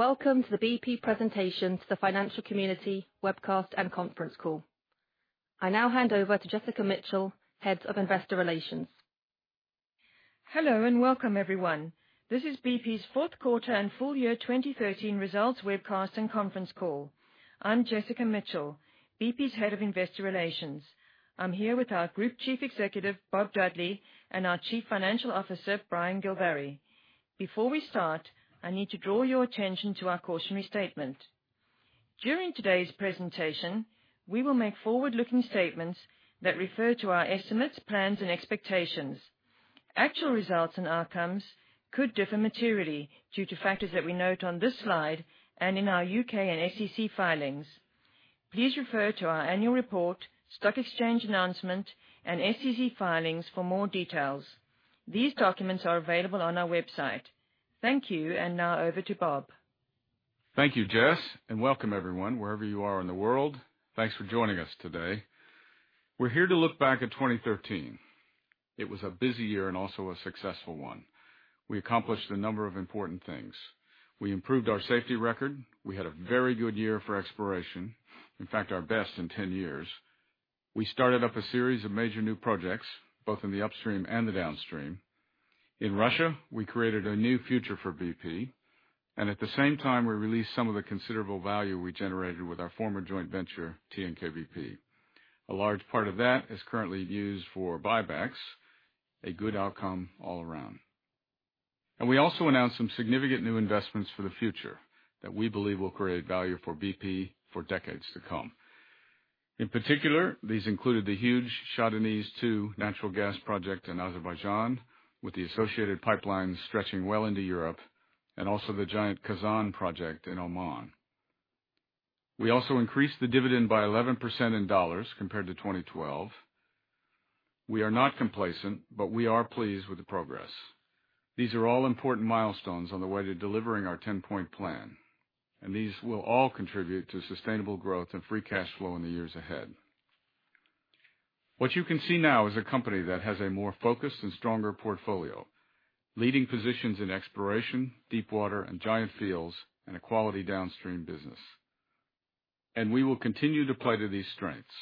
Welcome to the BP presentation to the financial community webcast and conference call. I now hand over to Jessica Mitchell, Head of Investor Relations. Hello and welcome, everyone. This is BP's fourth quarter and full year 2013 results webcast and conference call. I'm Jessica Mitchell, BP's Head of Investor Relations. I'm here with our Group Chief Executive, Bob Dudley, and our Chief Financial Officer, Brian Gilvary. Before we start, I need to draw your attention to our cautionary statement. During today's presentation, we will make forward-looking statements that refer to our estimates, plans, and expectations. Actual results and outcomes could differ materially due to factors that we note on this slide and in our U.K. and SEC filings. Please refer to our annual report, stock exchange announcement, and SEC filings for more details. These documents are available on our website. Thank you. Now over to Bob. Thank you, Jess. Welcome everyone, wherever you are in the world. Thanks for joining us today. We're here to look back at 2013. It was a busy year and also a successful one. We accomplished a number of important things. We improved our safety record. We had a very good year for exploration. In fact, our best in 10 years. We started up a series of major new projects, both in the upstream and the downstream. In Russia, we created a new future for BP. At the same time, we released some of the considerable value we generated with our former joint venture, TNK-BP. A large part of that is currently used for buybacks, a good outcome all around. We also announced some significant new investments for the future that we believe will create value for BP for decades to come. In particular, these included the huge Shah Deniz-II natural gas project in Azerbaijan, with the associated pipelines stretching well into Europe, and also the giant Khazzan project in Oman. We also increased the dividend by 11% in dollars compared to 2012. We are not complacent, but we are pleased with the progress. These are all important milestones on the way to delivering our 10-point plan. These will all contribute to sustainable growth and free cash flow in the years ahead. What you can see now is a company that has a more focused and stronger portfolio, leading positions in exploration, deep water, and giant fields, and a quality downstream business. We will continue to play to these strengths.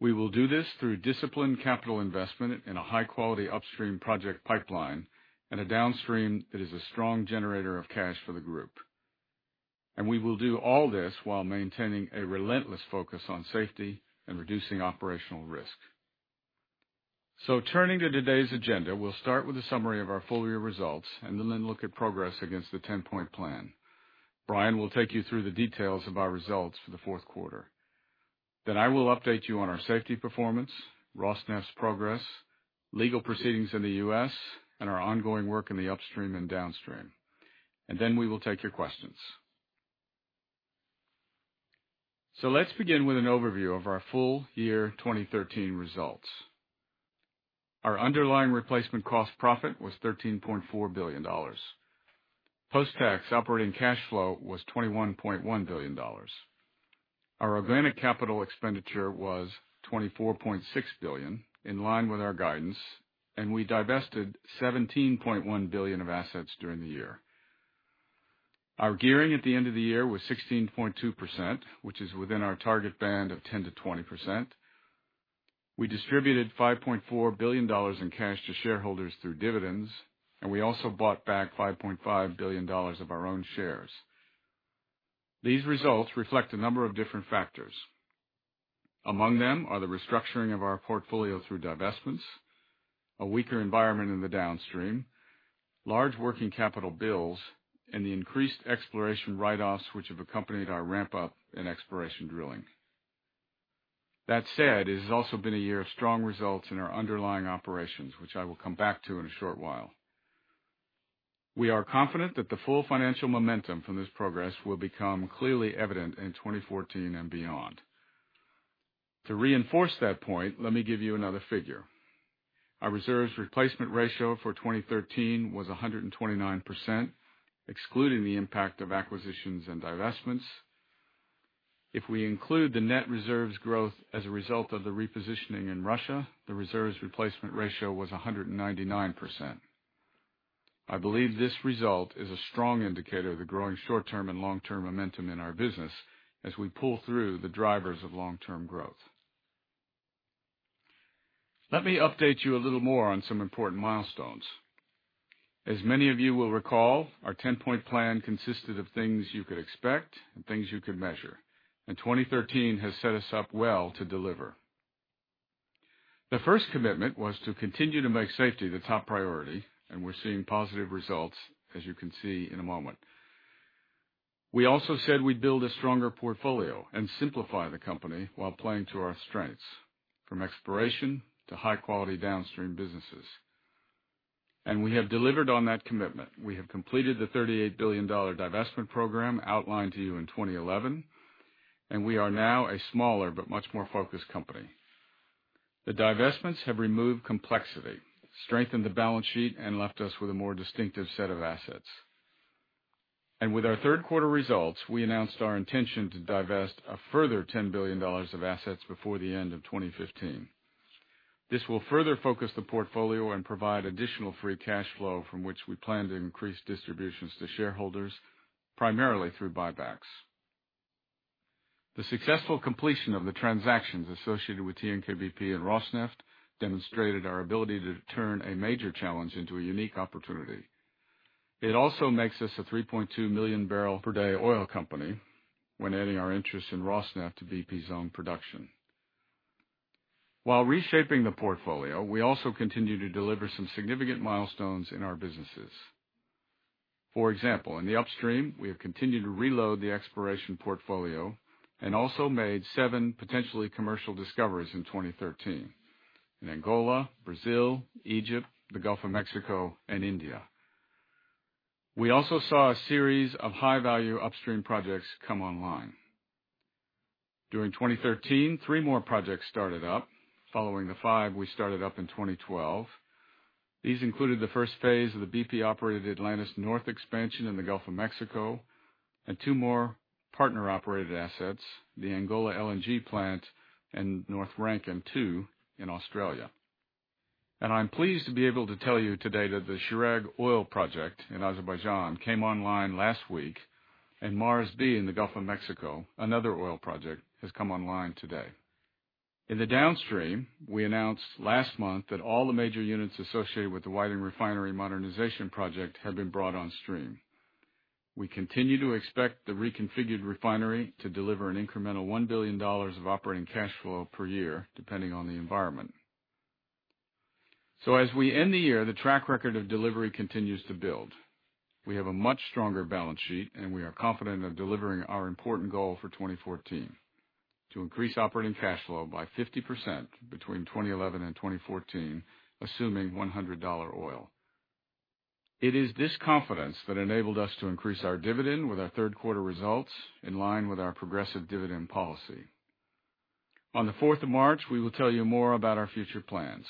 We will do this through disciplined capital investment in a high-quality upstream project pipeline and a downstream that is a strong generator of cash for the group. We will do all this while maintaining a relentless focus on safety and reducing operational risk. Turning to today's agenda, we will start with a summary of our full-year results and then look at progress against the 10-point plan. Brian will take you through the details of our results for the fourth quarter. I will update you on our safety performance, Rosneft's progress, legal proceedings in the U.S., and our ongoing work in the upstream and downstream. We will take your questions. Let's begin with an overview of our full year 2013 results. Our underlying replacement cost profit was GBP 13.4 billion. Post-tax operating cash flow was GBP 21.1 billion. Our organic capital expenditure was 24.6 billion, in line with our guidance, and we divested 17.1 billion of assets during the year. Our gearing at the end of the year was 16.2%, which is within our target band of 10%-20%. We distributed GBP 5.4 billion in cash to shareholders through dividends, and we also bought back GBP 5.5 billion of our own shares. These results reflect a number of different factors. Among them are the restructuring of our portfolio through divestments, a weaker environment in the downstream, large working capital bills, and the increased exploration write-offs which have accompanied our ramp up in exploration drilling. That said, it has also been a year of strong results in our underlying operations, which I will come back to in a short while. We are confident that the full financial momentum from this progress will become clearly evident in 2014 and beyond. To reinforce that point, let me give you another figure. Our reserves replacement ratio for 2013 was 129%, excluding the impact of acquisitions and divestments. If we include the net reserves growth as a result of the repositioning in Russia, the reserves replacement ratio was 199%. I believe this result is a strong indicator of the growing short-term and long-term momentum in our business as we pull through the drivers of long-term growth. Let me update you a little more on some important milestones. As many of you will recall, our 10-point plan consisted of things you could expect and things you could measure, and 2013 has set us up well to deliver. The first commitment was to continue to make safety the top priority, and we're seeing positive results, as you can see in a moment. We also said we'd build a stronger portfolio and simplify the company while playing to our strengths, from exploration to high-quality downstream businesses. We have delivered on that commitment. We have completed the GBP 38 billion divestment program outlined to you in 2011, and we are now a smaller but much more focused company. The divestments have removed complexity, strengthened the balance sheet, and left us with a more distinctive set of assets. With our third quarter results, we announced our intention to divest a further GBP 10 billion of assets before the end of 2015. This will further focus the portfolio and provide additional free cash flow from which we plan to increase distributions to shareholders, primarily through buybacks. The successful completion of the transactions associated with TNK-BP and Rosneft demonstrated our ability to turn a major challenge into a unique opportunity. It also makes us a 3.2 million barrel per day oil company when adding our interest in Rosneft to BP's own production. While reshaping the portfolio, we also continue to deliver some significant milestones in our businesses. For example, in the upstream, we have continued to reload the exploration portfolio and also made seven potentially commercial discoveries in 2013, in Angola, Brazil, Egypt, the Gulf of Mexico, and India. We also saw a series of high-value upstream projects come online. During 2013, three more projects started up, following the five we started up in 2012. These included the first phase of the BP-operated Atlantis North expansion in the Gulf of Mexico, and two more partner-operated assets, the Angola LNG plant and North Rankin 2 in Australia. I'm pleased to be able to tell you today that the Chirag oil project in Azerbaijan came online last week, and Mars B in the Gulf of Mexico, another oil project, has come online today. In the downstream, we announced last month that all the major units associated with the Whiting Refinery modernization project have been brought on stream. We continue to expect the reconfigured refinery to deliver an incremental $1 billion of operating cash flow per year, depending on the environment. As we end the year, the track record of delivery continues to build. We have a much stronger balance sheet, and we are confident of delivering our important goal for 2014: to increase operating cash flow by 50% between 2011 and 2014, assuming GBP 100 oil. It is this confidence that enabled us to increase our dividend with our third quarter results in line with our progressive dividend policy. On the 4th of March, we will tell you more about our future plans.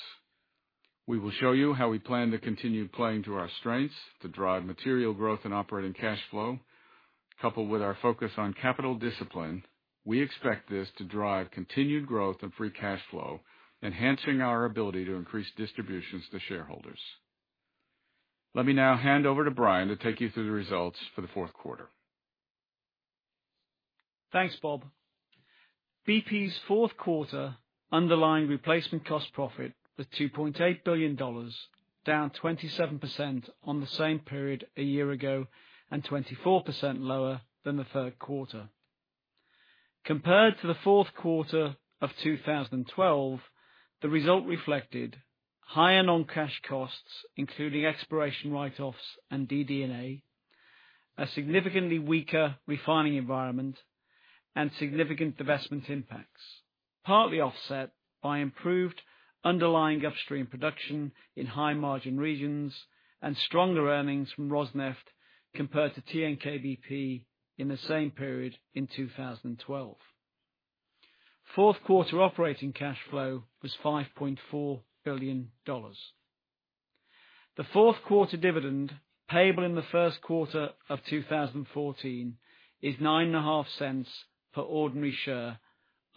We will show you how we plan to continue playing to our strengths to drive material growth and operating cash flow. Coupled with our focus on capital discipline, we expect this to drive continued growth and free cash flow, enhancing our ability to increase distributions to shareholders. Let me now hand over to Brian to take you through the results for the fourth quarter. Thanks, Bob. BP's fourth quarter underlying replacement cost profit was GBP 2.8 billion, down 27% on the same period a year ago, and 24% lower than the third quarter. Compared to the fourth quarter of 2012, the result reflected higher non-cash costs, including exploration write-offs and DD&A, a significantly weaker refining environment, and significant divestment impacts, partly offset by improved underlying upstream production in high-margin regions and stronger earnings from Rosneft compared to TNK-BP in the same period in 2012. Fourth quarter operating cash flow was GBP 5.4 billion. The fourth quarter dividend payable in the first quarter of 2014 is 0.095 per ordinary share,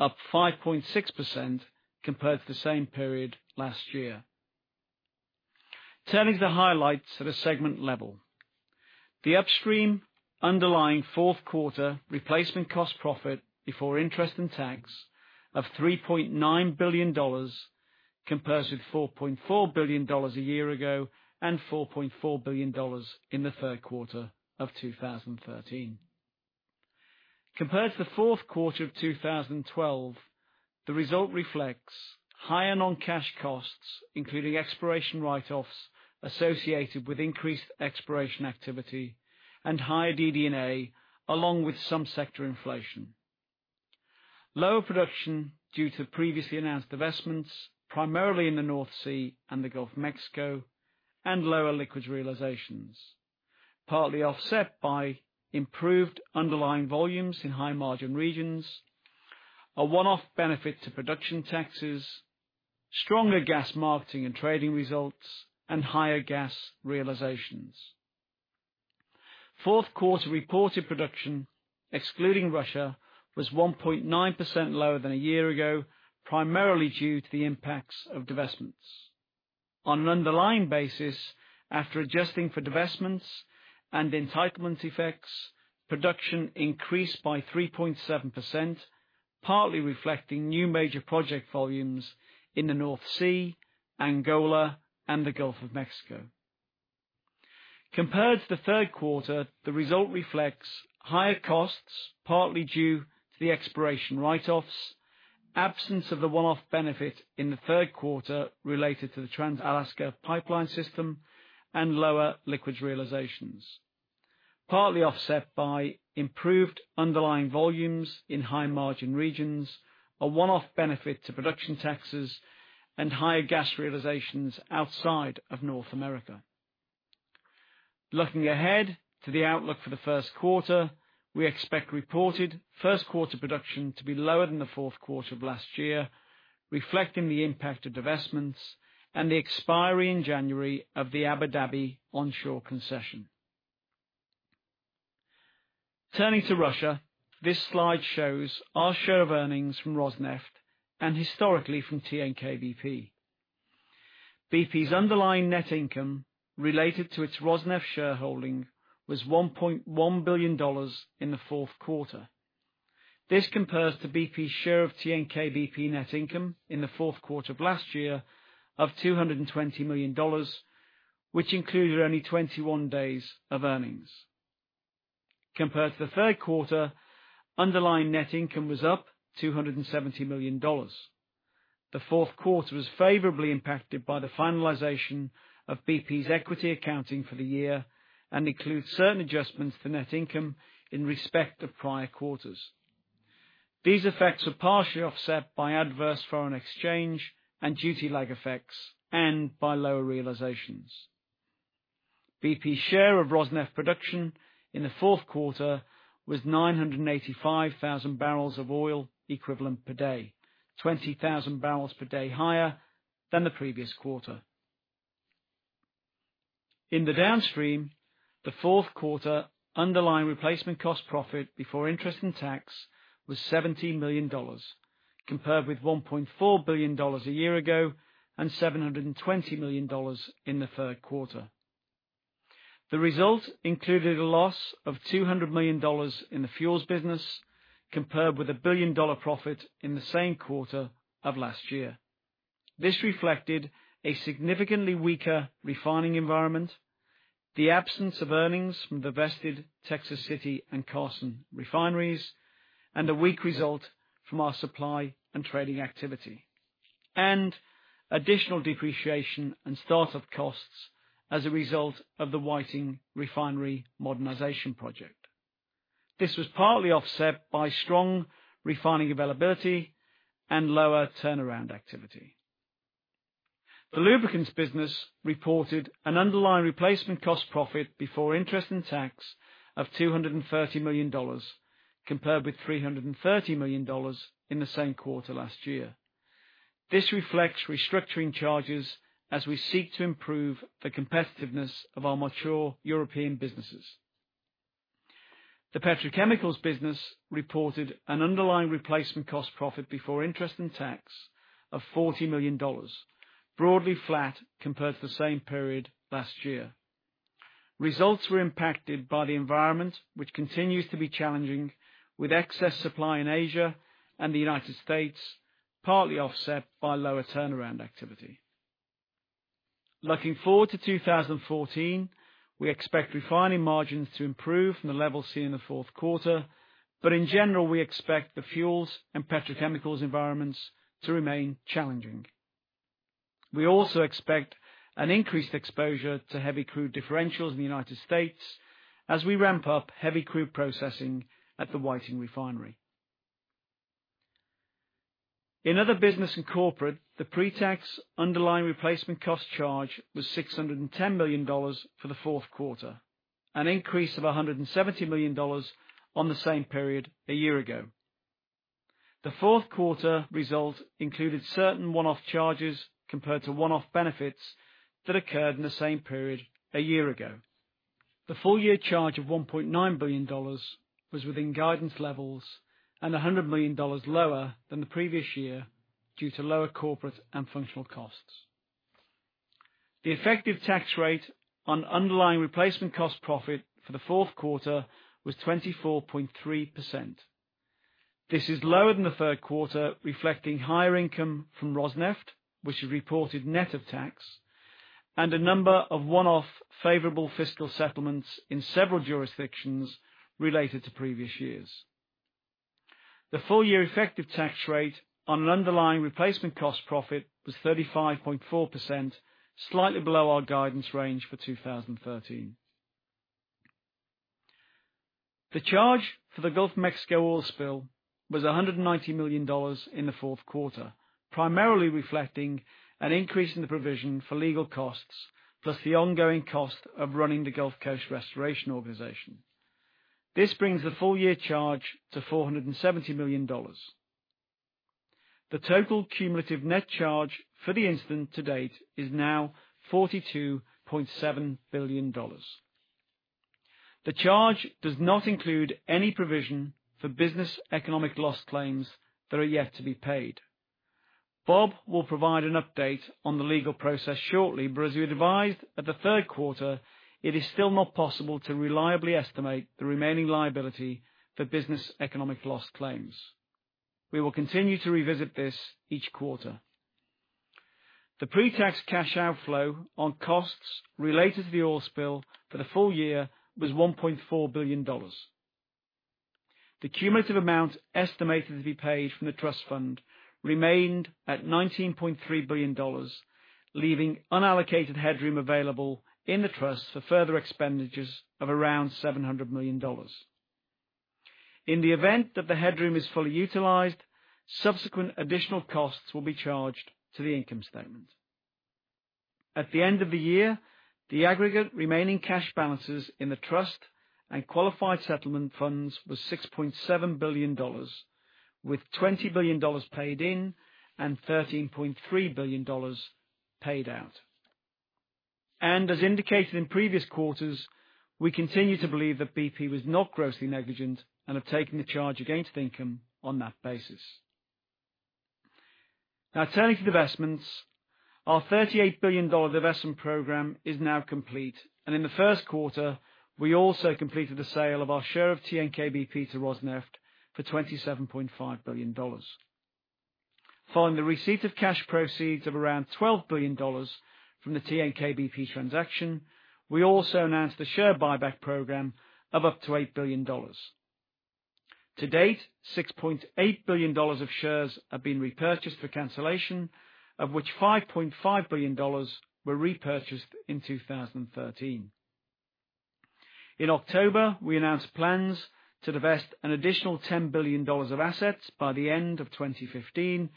up 5.6% compared to the same period last year. Turning to the highlights at a segment level. The upstream underlying fourth quarter replacement cost profit before interest and tax of GBP 3.9 billion compares with GBP 4.4 billion a year ago and GBP 4.4 billion in the third quarter of 2013. Compared to the fourth quarter of 2012, the result reflects higher non-cash costs, including exploration write-offs associated with increased exploration activity and higher DD&A, along with some sector inflation. Lower production due to previously announced divestments, primarily in the North Sea and the Gulf of Mexico, and lower liquids realizations, partly offset by improved underlying volumes in high-margin regions, a one-off benefit to production taxes, stronger gas marketing and trading results, and higher gas realizations. Fourth quarter reported production, excluding Russia, was 1.9% lower than a year ago, primarily due to the impacts of divestments. On an underlying basis, after adjusting for divestments and entitlement effects, production increased by 3.7%, partly reflecting new major project volumes in the North Sea, Angola, and the Gulf of Mexico. Compared to the third quarter, the result reflects higher costs, partly due to the exploration write-offs, absence of the one-off benefit in the third quarter related to the Trans-Alaska pipeline system, and lower liquids realizations. Partly offset by improved underlying volumes in high-margin regions, a one-off benefit to production taxes, and higher gas realizations outside of North America. Looking ahead to the outlook for the first quarter, we expect reported first quarter production to be lower than the fourth quarter of last year, reflecting the impact of divestments and the expiry in January of the Abu Dhabi onshore concession. Turning to Russia, this slide shows our share of earnings from Rosneft and historically from TNK-BP. BP's underlying net income related to its Rosneft shareholding was GBP 1.1 billion in the fourth quarter. This compares to BP's share of TNK-BP net income in the fourth quarter of last year of GBP 220 million, which included only 21 days of earnings. Compared to the third quarter, underlying net income was up GBP 270 million. The fourth quarter was favorably impacted by the finalization of BP's equity accounting for the year and includes certain adjustments to net income in respect of prior quarters. These effects were partially offset by adverse foreign exchange and duty lag effects and by lower realizations. BP's share of Rosneft production in the fourth quarter was 985,000 barrels of oil equivalent per day, 20,000 barrels per day higher than the previous quarter. In the Downstream, the fourth quarter underlying replacement cost profit before interest and tax was GBP 17 million, compared with GBP 1.4 billion a year ago and GBP 720 million in the third quarter. The result included a loss of GBP 200 million in the fuels business, compared with a billion-dollar profit in the same quarter of last year. This reflected a significantly weaker refining environment, the absence of earnings from divested Texas City and Carson refineries, and a weak result from our supply and trading activity, and additional depreciation and start-up costs as a result of the Whiting Refinery modernization project. This was partly offset by strong refining availability and lower turnaround activity. The lubricants business reported an underlying replacement cost profit before interest and tax of GBP 230 million, compared with GBP 330 million in the same quarter last year. This reflects restructuring charges as we seek to improve the competitiveness of our mature European businesses. The petrochemicals business reported an underlying replacement cost profit before interest and tax of GBP 40 million, broadly flat compared to the same period last year. Results were impacted by the environment, which continues to be challenging, with excess supply in Asia and the U.S., partly offset by lower turnaround activity. Looking forward to 2014, we expect refining margins to improve from the levels seen in the fourth quarter, but in general, we expect the fuels and petrochemicals environments to remain challenging. We also expect an increased exposure to heavy crude differentials in the U.S. as we ramp up heavy crude processing at the Whiting Refinery. In other business and corporate, the pretax underlying replacement cost charge was GBP 610 million for the fourth quarter, an increase of GBP 170 million on the same period a year ago. The fourth quarter result included certain one-off charges compared to one-off benefits that occurred in the same period a year ago. The full year charge of GBP 1.9 billion was within guidance levels and GBP 100 million lower than the previous year due to lower corporate and functional costs. The effective tax rate on underlying replacement cost profit for the fourth quarter was 24.3%. This is lower than the third quarter, reflecting higher income from Rosneft, which is reported net of tax, and a number of one-off favorable fiscal settlements in several jurisdictions related to previous years. The full year effective tax rate on underlying replacement cost profit was 35.4%, slightly below our guidance range for 2013. The charge for the Gulf of Mexico oil spill was GBP 190 million in the fourth quarter, primarily reflecting an increase in the provision for legal costs, plus the ongoing cost of running the Gulf Coast Restoration Organization. This brings the full year charge to GBP 470 million. The total cumulative net charge for the incident to date is now GBP 42.7 billion. The charge does not include any provision for business economic loss claims that are yet to be paid. Bob will provide an update on the legal process shortly, but as we advised at the third quarter, it is still not possible to reliably estimate the remaining liability for business economic loss claims. We will continue to revisit this each quarter. The pretax cash outflow on costs related to the oil spill for the full year was GBP 1.4 billion. The cumulative amount estimated to be paid from the trust fund remained at GBP 19.3 billion, leaving unallocated headroom available in the trust for further expenditures of around GBP 700 million. In the event that the headroom is fully utilized, subsequent additional costs will be charged to the income statement. At the end of the year, the aggregate remaining cash balances in the trust and qualified settlement funds was GBP 6.7 billion, with GBP 20 billion paid in and GBP 13.3 billion paid out. As indicated in previous quarters, we continue to believe that BP was not grossly negligent and have taken the charge against income on that basis. Now turning to divestments. Our GBP 38 billion divestment program is now complete, and in the first quarter, we also completed the sale of our share of TNK-BP to Rosneft for GBP 27.5 billion. Following the receipt of cash proceeds of around GBP 12 billion from the TNK-BP transaction, we also announced a share buyback program of up to GBP 8 billion. To date, GBP 6.8 billion of shares have been repurchased for cancellation, of which GBP 5.5 billion were repurchased in 2013. In October, we announced plans to divest an additional GBP 10 billion of assets by the end of 2015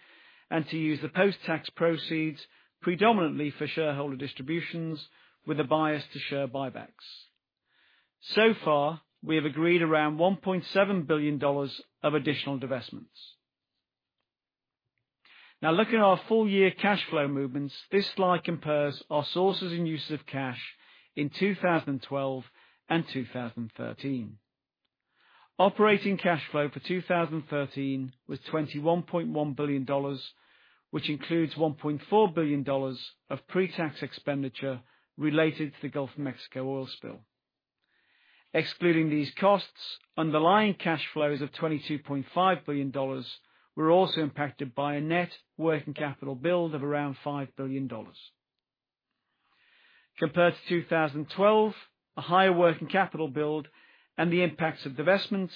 and to use the post-tax proceeds predominantly for shareholder distributions, with a bias to share buybacks. We have agreed around GBP 1.7 billion of additional divestments. Now looking at our full year cash flow movements, this slide compares our sources and uses of cash in 2012 and 2013. Operating cash flow for 2013 was GBP 21.1 billion, which includes GBP 1.4 billion of pre-tax expenditure related to the Gulf of Mexico oil spill. Excluding these costs, underlying cash flows of GBP 22.5 billion were also impacted by a net working capital build of around GBP 5 billion. Compared to 2012, a higher working capital build and the impacts of divestments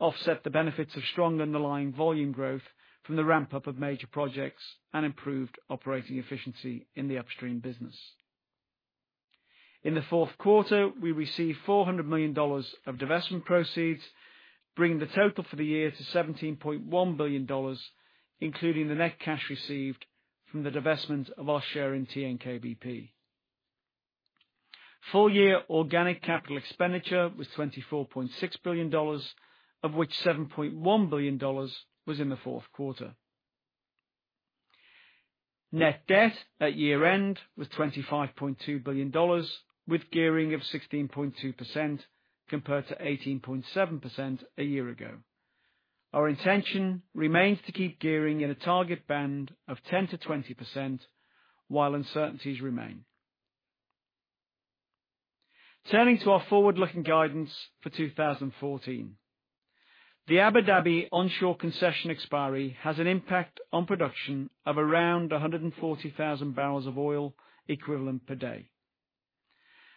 offset the benefits of strong underlying volume growth from the ramp-up of major projects and improved operating efficiency in the upstream business. In the fourth quarter, we received GBP 400 million of divestment proceeds, bringing the total for the year to GBP 17.1 billion, including the net cash received from the divestment of our share in TNK-BP. Full-year organic capital expenditure was GBP 24.6 billion, of which GBP 7.1 billion was in the fourth quarter. Net debt at year-end was GBP 25.2 billion, with gearing of 16.2% compared to 18.7% a year ago. Our intention remains to keep gearing in a target band of 10%-20% while uncertainties remain. Turning to our forward-looking guidance for 2014. The Abu Dhabi onshore concession expiry has an impact on production of around 140,000 barrels of oil equivalent per day.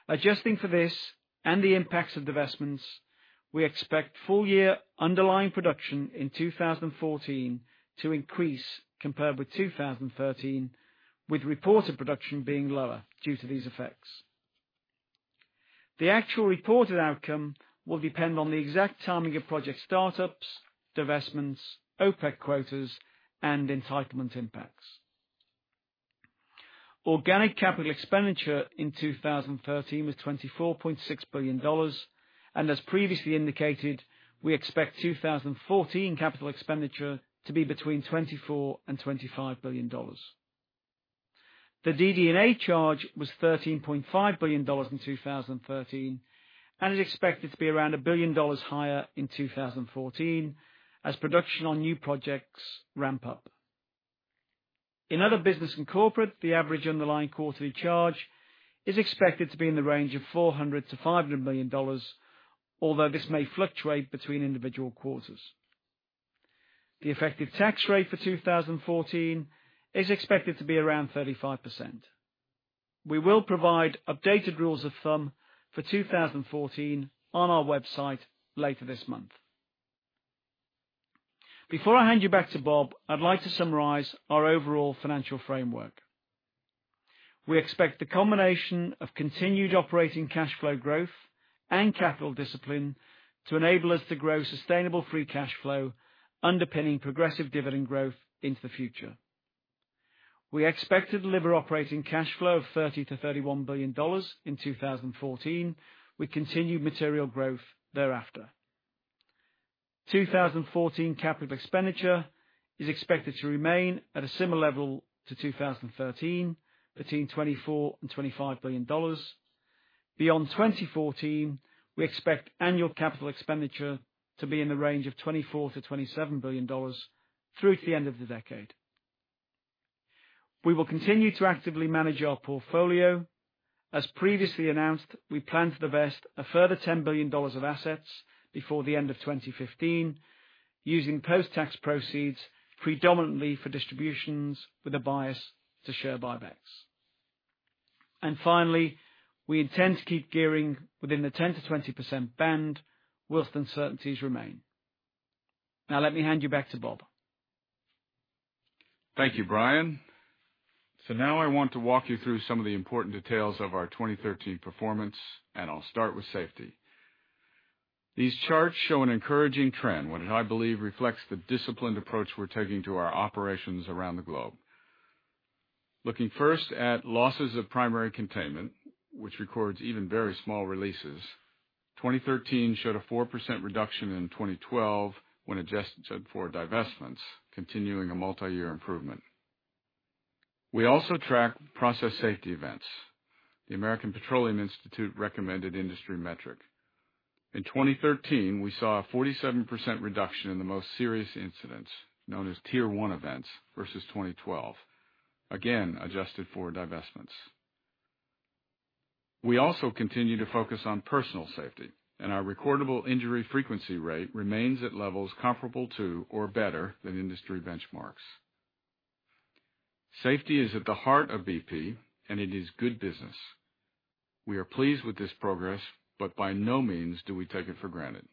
Adjusting for this and the impacts of divestments, we expect full-year underlying production in 2014 to increase compared with 2013, with reported production being lower due to these effects. The actual reported outcome will depend on the exact timing of project startups, divestments, OPEC quotas, and entitlement impacts. Organic capital expenditure in 2013 was GBP 24.6 billion, and as previously indicated, we expect 2014 capital expenditure to be between 24 billion and GBP 25 billion. The DD&A charge was $13.5 billion in 2013 and is expected to be around $1 billion higher in 2014 as production on new projects ramp up. In other business and corporate, the average underlying quarterly charge is expected to be in the range of GBP 400 million-GBP 500 million, although this may fluctuate between individual quarters. The effective tax rate for 2014 is expected to be around 35%. We will provide updated rules of thumb for 2014 on our website later this month. Before I hand you back to Bob, I'd like to summarize our overall financial framework. We expect the combination of continued operating cash flow growth and capital discipline to enable us to grow sustainable free cash flow underpinning progressive dividend growth into the future. We expect to deliver operating cash flow of GBP 30 billion-GBP 31 billion in 2014, with continued material growth thereafter. 2014 capital expenditure is expected to remain at a similar level to 2013, between 24 billion and GBP 25 billion. Beyond 2014, we expect annual capital expenditure to be in the range of GBP 24 billion-GBP 27 billion through to the end of the decade. We will continue to actively manage our portfolio. As previously announced, we plan to divest a further GBP 10 billion of assets before the end of 2015, using post-tax proceeds predominantly for distributions with a bias to share buybacks. Finally, we intend to keep gearing within the 10%-20% band whilst uncertainties remain. Now let me hand you back to Bob. Thank you, Brian. Now I want to walk you through some of the important details of our 2013 performance, and I'll start with safety. These charts show an encouraging trend, one that I believe reflects the disciplined approach we're taking to our operations around the globe. Looking first at losses of primary containment, which records even very small releases, 2013 showed a 4% reduction in 2012 when adjusted for divestments, continuing a multi-year improvement. We also track process safety events, the American Petroleum Institute recommended industry metric. In 2013, we saw a 47% reduction in the most serious incidents, known as Tier 1 events, versus 2012, again, adjusted for divestments. We also continue to focus on personal safety, and our recordable injury frequency rate remains at levels comparable to or better than industry benchmarks. Safety is at the heart of BP, and it is good business. We are pleased with this progress, by no means do we take it for granted.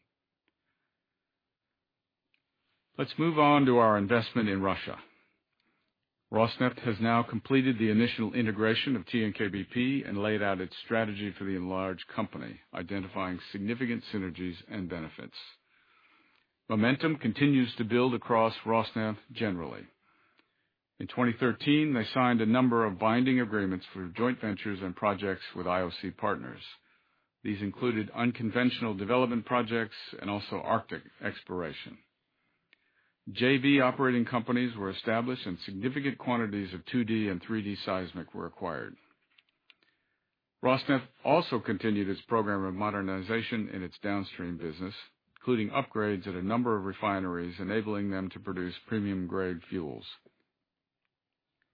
Let's move on to our investment in Russia. Rosneft has now completed the initial integration of TNK-BP and laid out its strategy for the enlarged company, identifying significant synergies and benefits. Momentum continues to build across Rosneft generally. In 2013, they signed a number of binding agreements for joint ventures and projects with IOC partners. These included unconventional development projects and also Arctic exploration. JV operating companies were established and significant quantities of 2D and 3D seismic were acquired. Rosneft also continued its program of modernization in its downstream business, including upgrades at a number of refineries, enabling them to produce premium-grade fuels.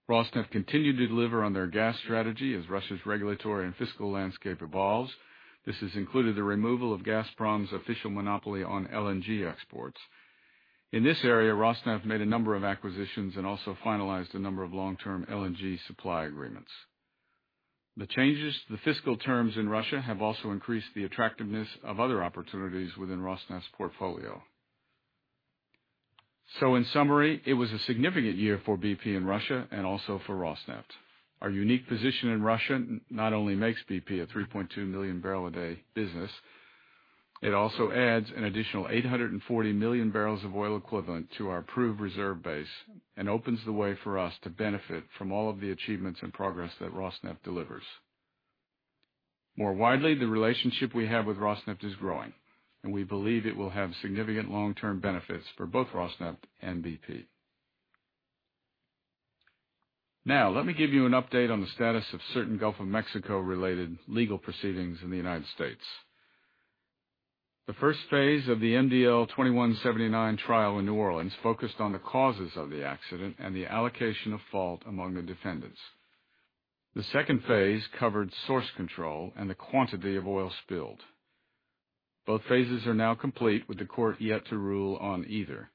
Rosneft continued to deliver on their gas strategy as Russia's regulatory and fiscal landscape evolves. This has included the removal of Gazprom's official monopoly on LNG exports. In this area, Rosneft made a number of acquisitions and also finalized a number of long-term LNG supply agreements. The changes to the fiscal terms in Russia have also increased the attractiveness of other opportunities within Rosneft's portfolio. In summary, it was a significant year for BP in Russia and also for Rosneft. Our unique position in Russia not only makes BP a 3.2 million barrels a day business, it also adds an additional 840 million barrels of oil equivalent to our approved reserve base and opens the way for us to benefit from all of the achievements and progress that Rosneft delivers. More widely, the relationship we have with Rosneft is growing, and we believe it will have significant long-term benefits for both Rosneft and BP. Now let me give you an update on the status of certain Gulf of Mexico-related legal proceedings in the U.S. The first phase of the MDL 2179 trial in New Orleans focused on the causes of the accident and the allocation of fault among the defendants. The second phase covered source control and the quantity of oil spilled. Both phases are now complete with the court yet to rule on either.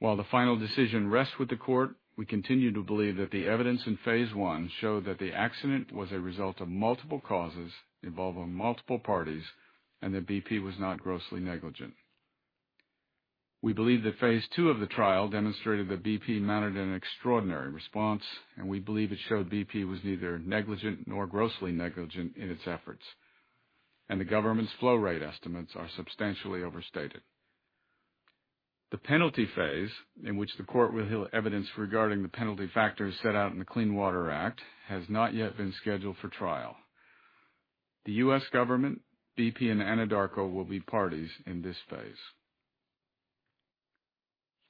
While the final decision rests with the court, we continue to believe that the evidence in phase one showed that the accident was a result of multiple causes involving multiple parties and that BP was not grossly negligent. We believe that phase two of the trial demonstrated that BP mounted an extraordinary response. We believe it showed BP was neither negligent nor grossly negligent in its efforts. The government's flow rate estimates are substantially overstated. The penalty phase, in which the court will hear evidence regarding the penalty factors set out in the Clean Water Act, has not yet been scheduled for trial. The U.S. government, BP, and Anadarko will be parties in this phase.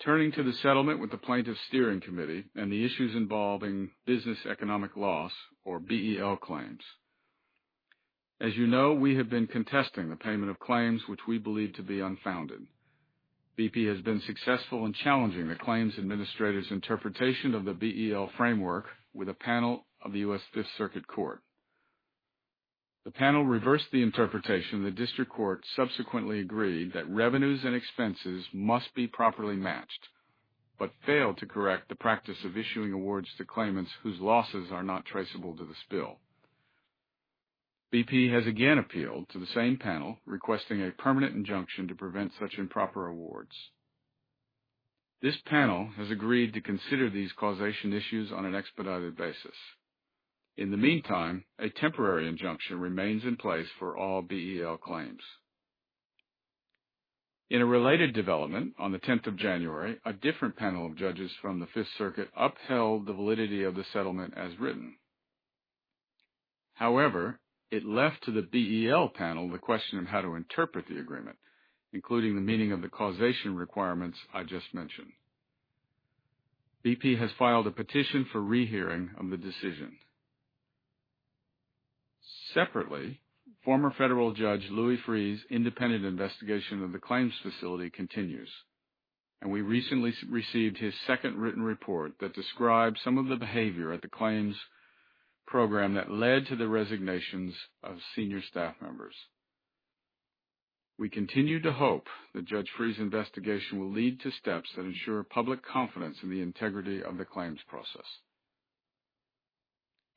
Turning to the settlement with the Plaintiffs' Steering Committee and the issues involving business economic loss, or BEL claims. As you know, we have been contesting the payment of claims which we believe to be unfounded. BP has been successful in challenging the claims administrator's interpretation of the BEL framework with a panel of the U.S. Fifth Circuit Court. The panel reversed the interpretation. The district court subsequently agreed that revenues and expenses must be properly matched, but failed to correct the practice of issuing awards to claimants whose losses are not traceable to the spill. BP has again appealed to the same panel, requesting a permanent injunction to prevent such improper awards. This panel has agreed to consider these causation issues on an expedited basis. In the meantime, a temporary injunction remains in place for all BEL claims. In a related development on the 10th of January, a different panel of judges from the Fifth Circuit upheld the validity of the settlement as written. However, it left to the BEL panel the question of how to interpret the agreement, including the meaning of the causation requirements I just mentioned. BP has filed a petition for rehearing of the decision. Separately, former federal judge Louis Freeh's independent investigation of the claims facility continues. We recently received his second written report that describes some of the behavior at the claims program that led to the resignations of senior staff members. We continue to hope that Judge Freeh's investigation will lead to steps that ensure public confidence in the integrity of the claims process.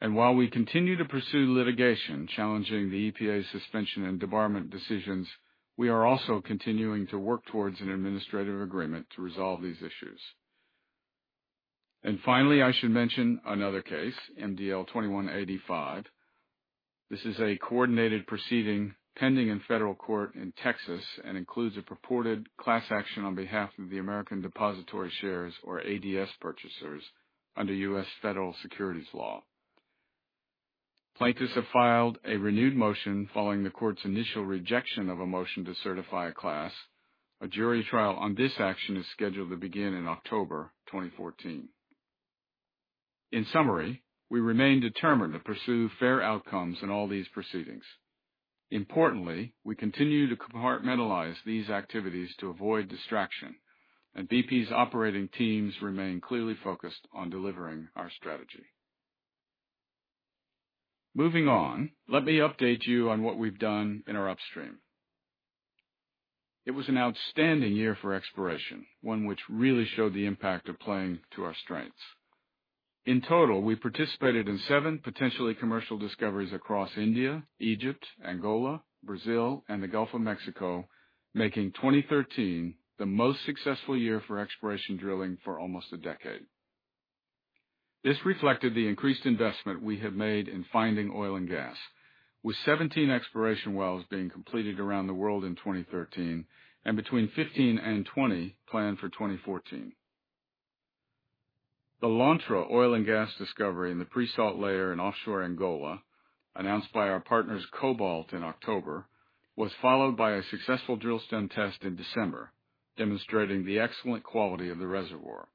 While we continue to pursue litigation challenging the EPA's suspension and debarment decisions, we are also continuing to work towards an administrative agreement to resolve these issues. Finally, I should mention another case, MDL 2185. This is a coordinated proceeding pending in federal court in Texas and includes a purported class action on behalf of the American depository shares, or ADS purchasers, under U.S. federal securities law. Plaintiffs have filed a renewed motion following the court's initial rejection of a motion to certify a class. A jury trial on this action is scheduled to begin in October 2014. In summary, we remain determined to pursue fair outcomes in all these proceedings. Importantly, we continue to compartmentalize these activities to avoid distraction. BP's operating teams remain clearly focused on delivering our strategy. Moving on, let me update you on what we've done in our upstream. It was an outstanding year for exploration, one which really showed the impact of playing to our strengths. In total, we participated in seven potentially commercial discoveries across India, Egypt, Angola, Brazil, and the Gulf of Mexico, making 2013 the most successful year for exploration drilling for almost a decade. This reflected the increased investment we have made in finding oil and gas, with 17 exploration wells being completed around the world in 2013, and between 15 and 20 planned for 2014. The Lontra oil and gas discovery in the pre-salt layer in offshore Angola, announced by our partners Cobalt in October, was followed by a successful drill stem test in December, demonstrating the excellent quality of the reservoir.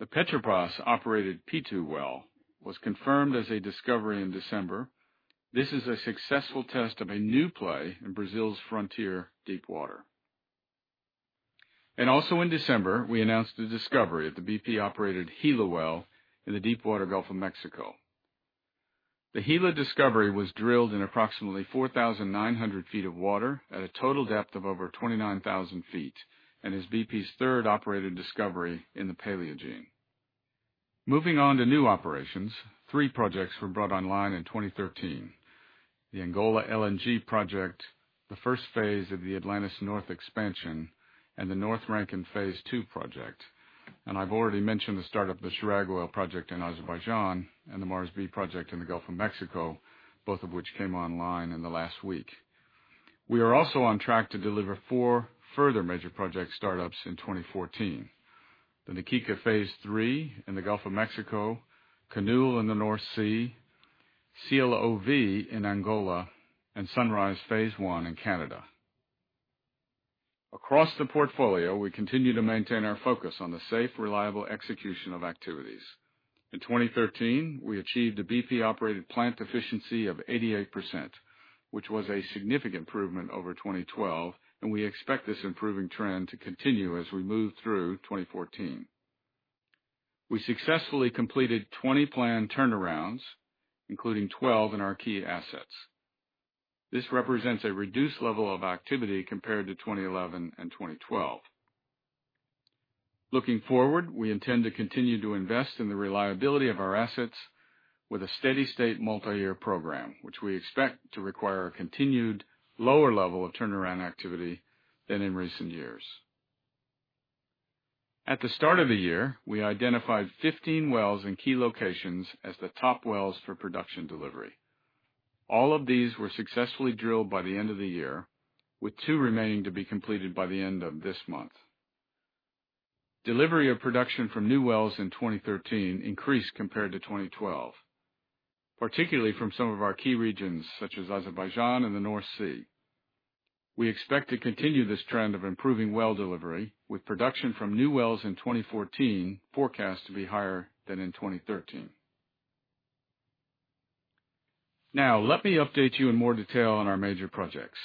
The Petrobras-operated Pitu well was confirmed as a discovery in December. This is a successful test of a new play in Brazil's frontier deep water. Also in December, we announced the discovery of the BP-operated Gila well in the deepwater Gulf of Mexico. The Gila discovery was drilled in approximately 4,900 feet of water at a total depth of over 29,000 feet and is BP's third operated discovery in the Paleogene. Moving on to new operations, three projects were brought online in 2013. The Angola LNG project, the first phase of the Atlantis North expansion, and the North Rankin Phase II project. I've already mentioned the start of the Chirag oil project in Azerbaijan and the Mars B project in the Gulf of Mexico, both of which came online in the last week. We are also on track to deliver four further major project startups in 2014. The Na Kika Phase 3 in the Gulf of Mexico, Canoe in the North Sea, CLOV in Angola, and Sunrise Phase 1 in Canada. Across the portfolio, we continue to maintain our focus on the safe, reliable execution of activities. In 2013, we achieved a BP-operated plant efficiency of 88%, which was a significant improvement over 2012. We expect this improving trend to continue as we move through 2014. We successfully completed 20 planned turnarounds, including 12 in our key assets. This represents a reduced level of activity compared to 2011 and 2012. Looking forward, we intend to continue to invest in the reliability of our assets with a steady state multiyear program, which we expect to require a continued lower level of turnaround activity than in recent years. At the start of the year, we identified 15 wells in key locations as the top wells for production delivery. All of these were successfully drilled by the end of the year, with two remaining to be completed by the end of this month. Delivery of production from new wells in 2013 increased compared to 2012, particularly from some of our key regions, such as Azerbaijan and the North Sea. We expect to continue this trend of improving well delivery, with production from new wells in 2014 forecast to be higher than in 2013. Let me update you in more detail on our major projects.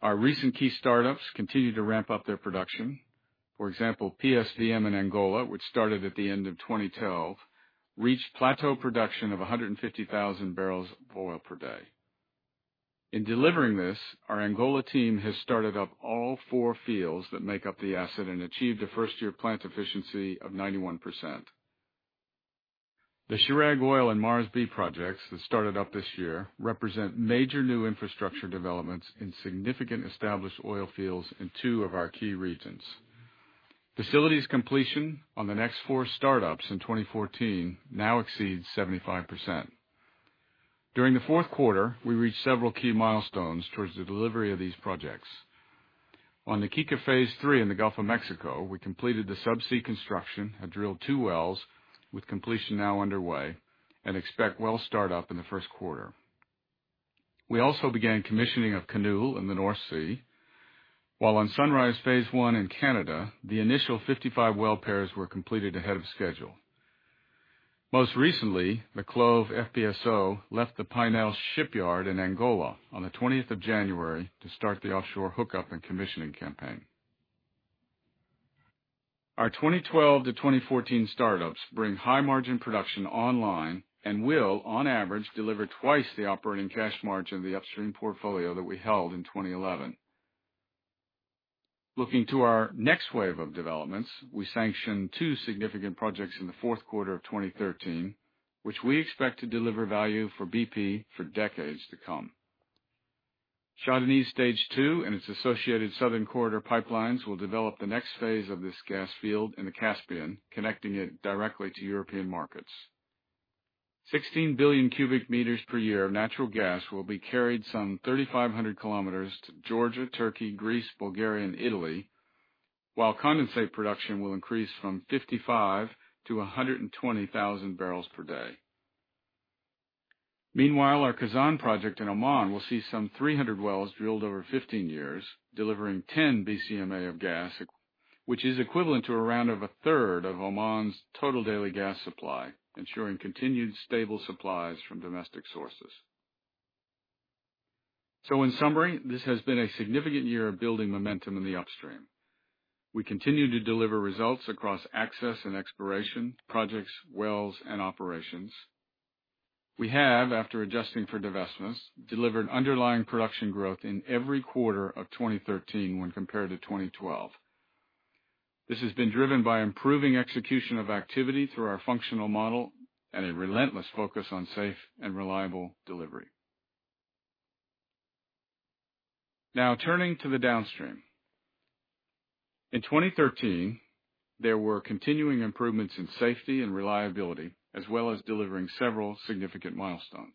Our recent key startups continue to ramp up their production. For example, PSVM in Angola, which started at the end of 2012, reached plateau production of 150,000 barrels of oil per day. In delivering this, our Angola team has started up all four fields that make up the asset and achieved a first-year plant efficiency of 91%. The Chirag oil and Mars B projects that started up this year represent major new infrastructure developments in significant established oil fields in two of our key regions. Facilities completion on the next four startups in 2014 now exceeds 75%. During the fourth quarter, we reached several key milestones towards the delivery of these projects. On Na Kika Phase 3 in the Gulf of Mexico, we completed the subsea construction and drilled two wells, with completion now underway, and expect well startup in the first quarter. We also began commissioning of Canoe in the North Sea, while on Sunrise Phase 1 in Canada, the initial 55 well pairs were completed ahead of schedule. Most recently, the CLOV FPSO left the Paenal Shipyard in Angola on the 20th of January to start the offshore hookup and commissioning campaign. Our 2012 to 2014 startups bring high margin production online and will, on average, deliver twice the operating cash margin of the upstream portfolio that we held in 2011. Looking to our next wave of developments, we sanctioned two significant projects in the fourth quarter of 2013, which we expect to deliver value for BP for decades to come. Shah Deniz Stage 2 and its associated Southern Corridor pipelines will develop the next phase of this gas field in the Caspian, connecting it directly to European markets. 16 billion cubic meters per year of natural gas will be carried some 3,500 kilometers to Georgia, Turkey, Greece, Bulgaria, and Italy. While condensate production will increase from 55 to 120,000 barrels per day. Meanwhile, our Khazzan project in Oman will see some 300 wells drilled over 15 years, delivering 10 BCMA of gas, which is equivalent to around a third of Oman's total daily gas supply, ensuring continued stable supplies from domestic sources. In summary, this has been a significant year of building momentum in the upstream. We continue to deliver results across access and exploration, projects, wells, and operations. We have, after adjusting for divestments, delivered underlying production growth in every quarter of 2013 when compared to 2012. This has been driven by improving execution of activity through our functional model and a relentless focus on safe and reliable delivery. Turning to the downstream. In 2013, there were continuing improvements in safety and reliability, as well as delivering several significant milestones.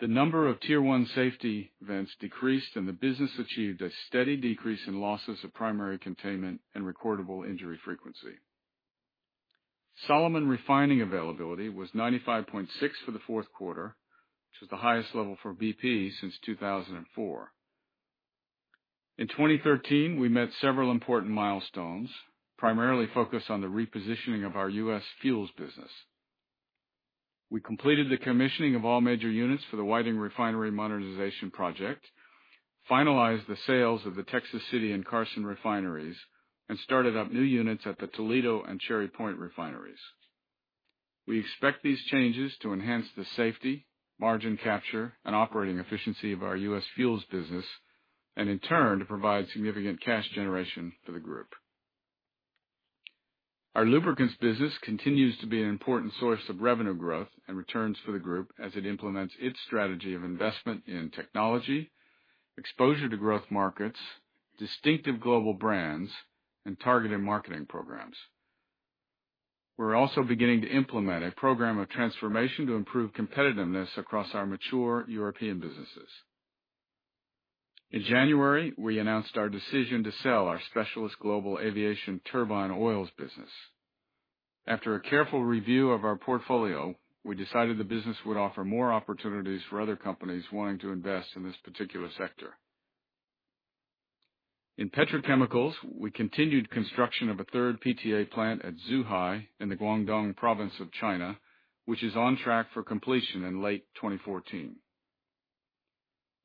The number of Tier 1 safety events decreased, and the business achieved a steady decrease in losses of primary containment and recordable injury frequency. Solomon refining availability was 95.6 for the fourth quarter, which is the highest level for BP since 2004. In 2013, we met several important milestones, primarily focused on the repositioning of our U.S. fuels business. We completed the commissioning of all major units for the Whiting Refinery modernization project, finalized the sales of the Texas City and Carson refineries, and started up new units at the Toledo and Cherry Point refineries. We expect these changes to enhance the safety, margin capture, and operating efficiency of our U.S. fuels business, and in turn, to provide significant cash generation for the group. Our lubricants business continues to be an important source of revenue growth and returns for the group as it implements its strategy of investment in technology, exposure to growth markets, distinctive global brands, and targeted marketing programs. We're also beginning to implement a program of transformation to improve competitiveness across our mature European businesses. In January, we announced our decision to sell our specialist global aviation turbine oils business. After a careful review of our portfolio, we decided the business would offer more opportunities for other companies wanting to invest in this particular sector. In petrochemicals, we continued construction of a third PTA plant at Zhuhai in the Guangdong province of China, which is on track for completion in late 2014.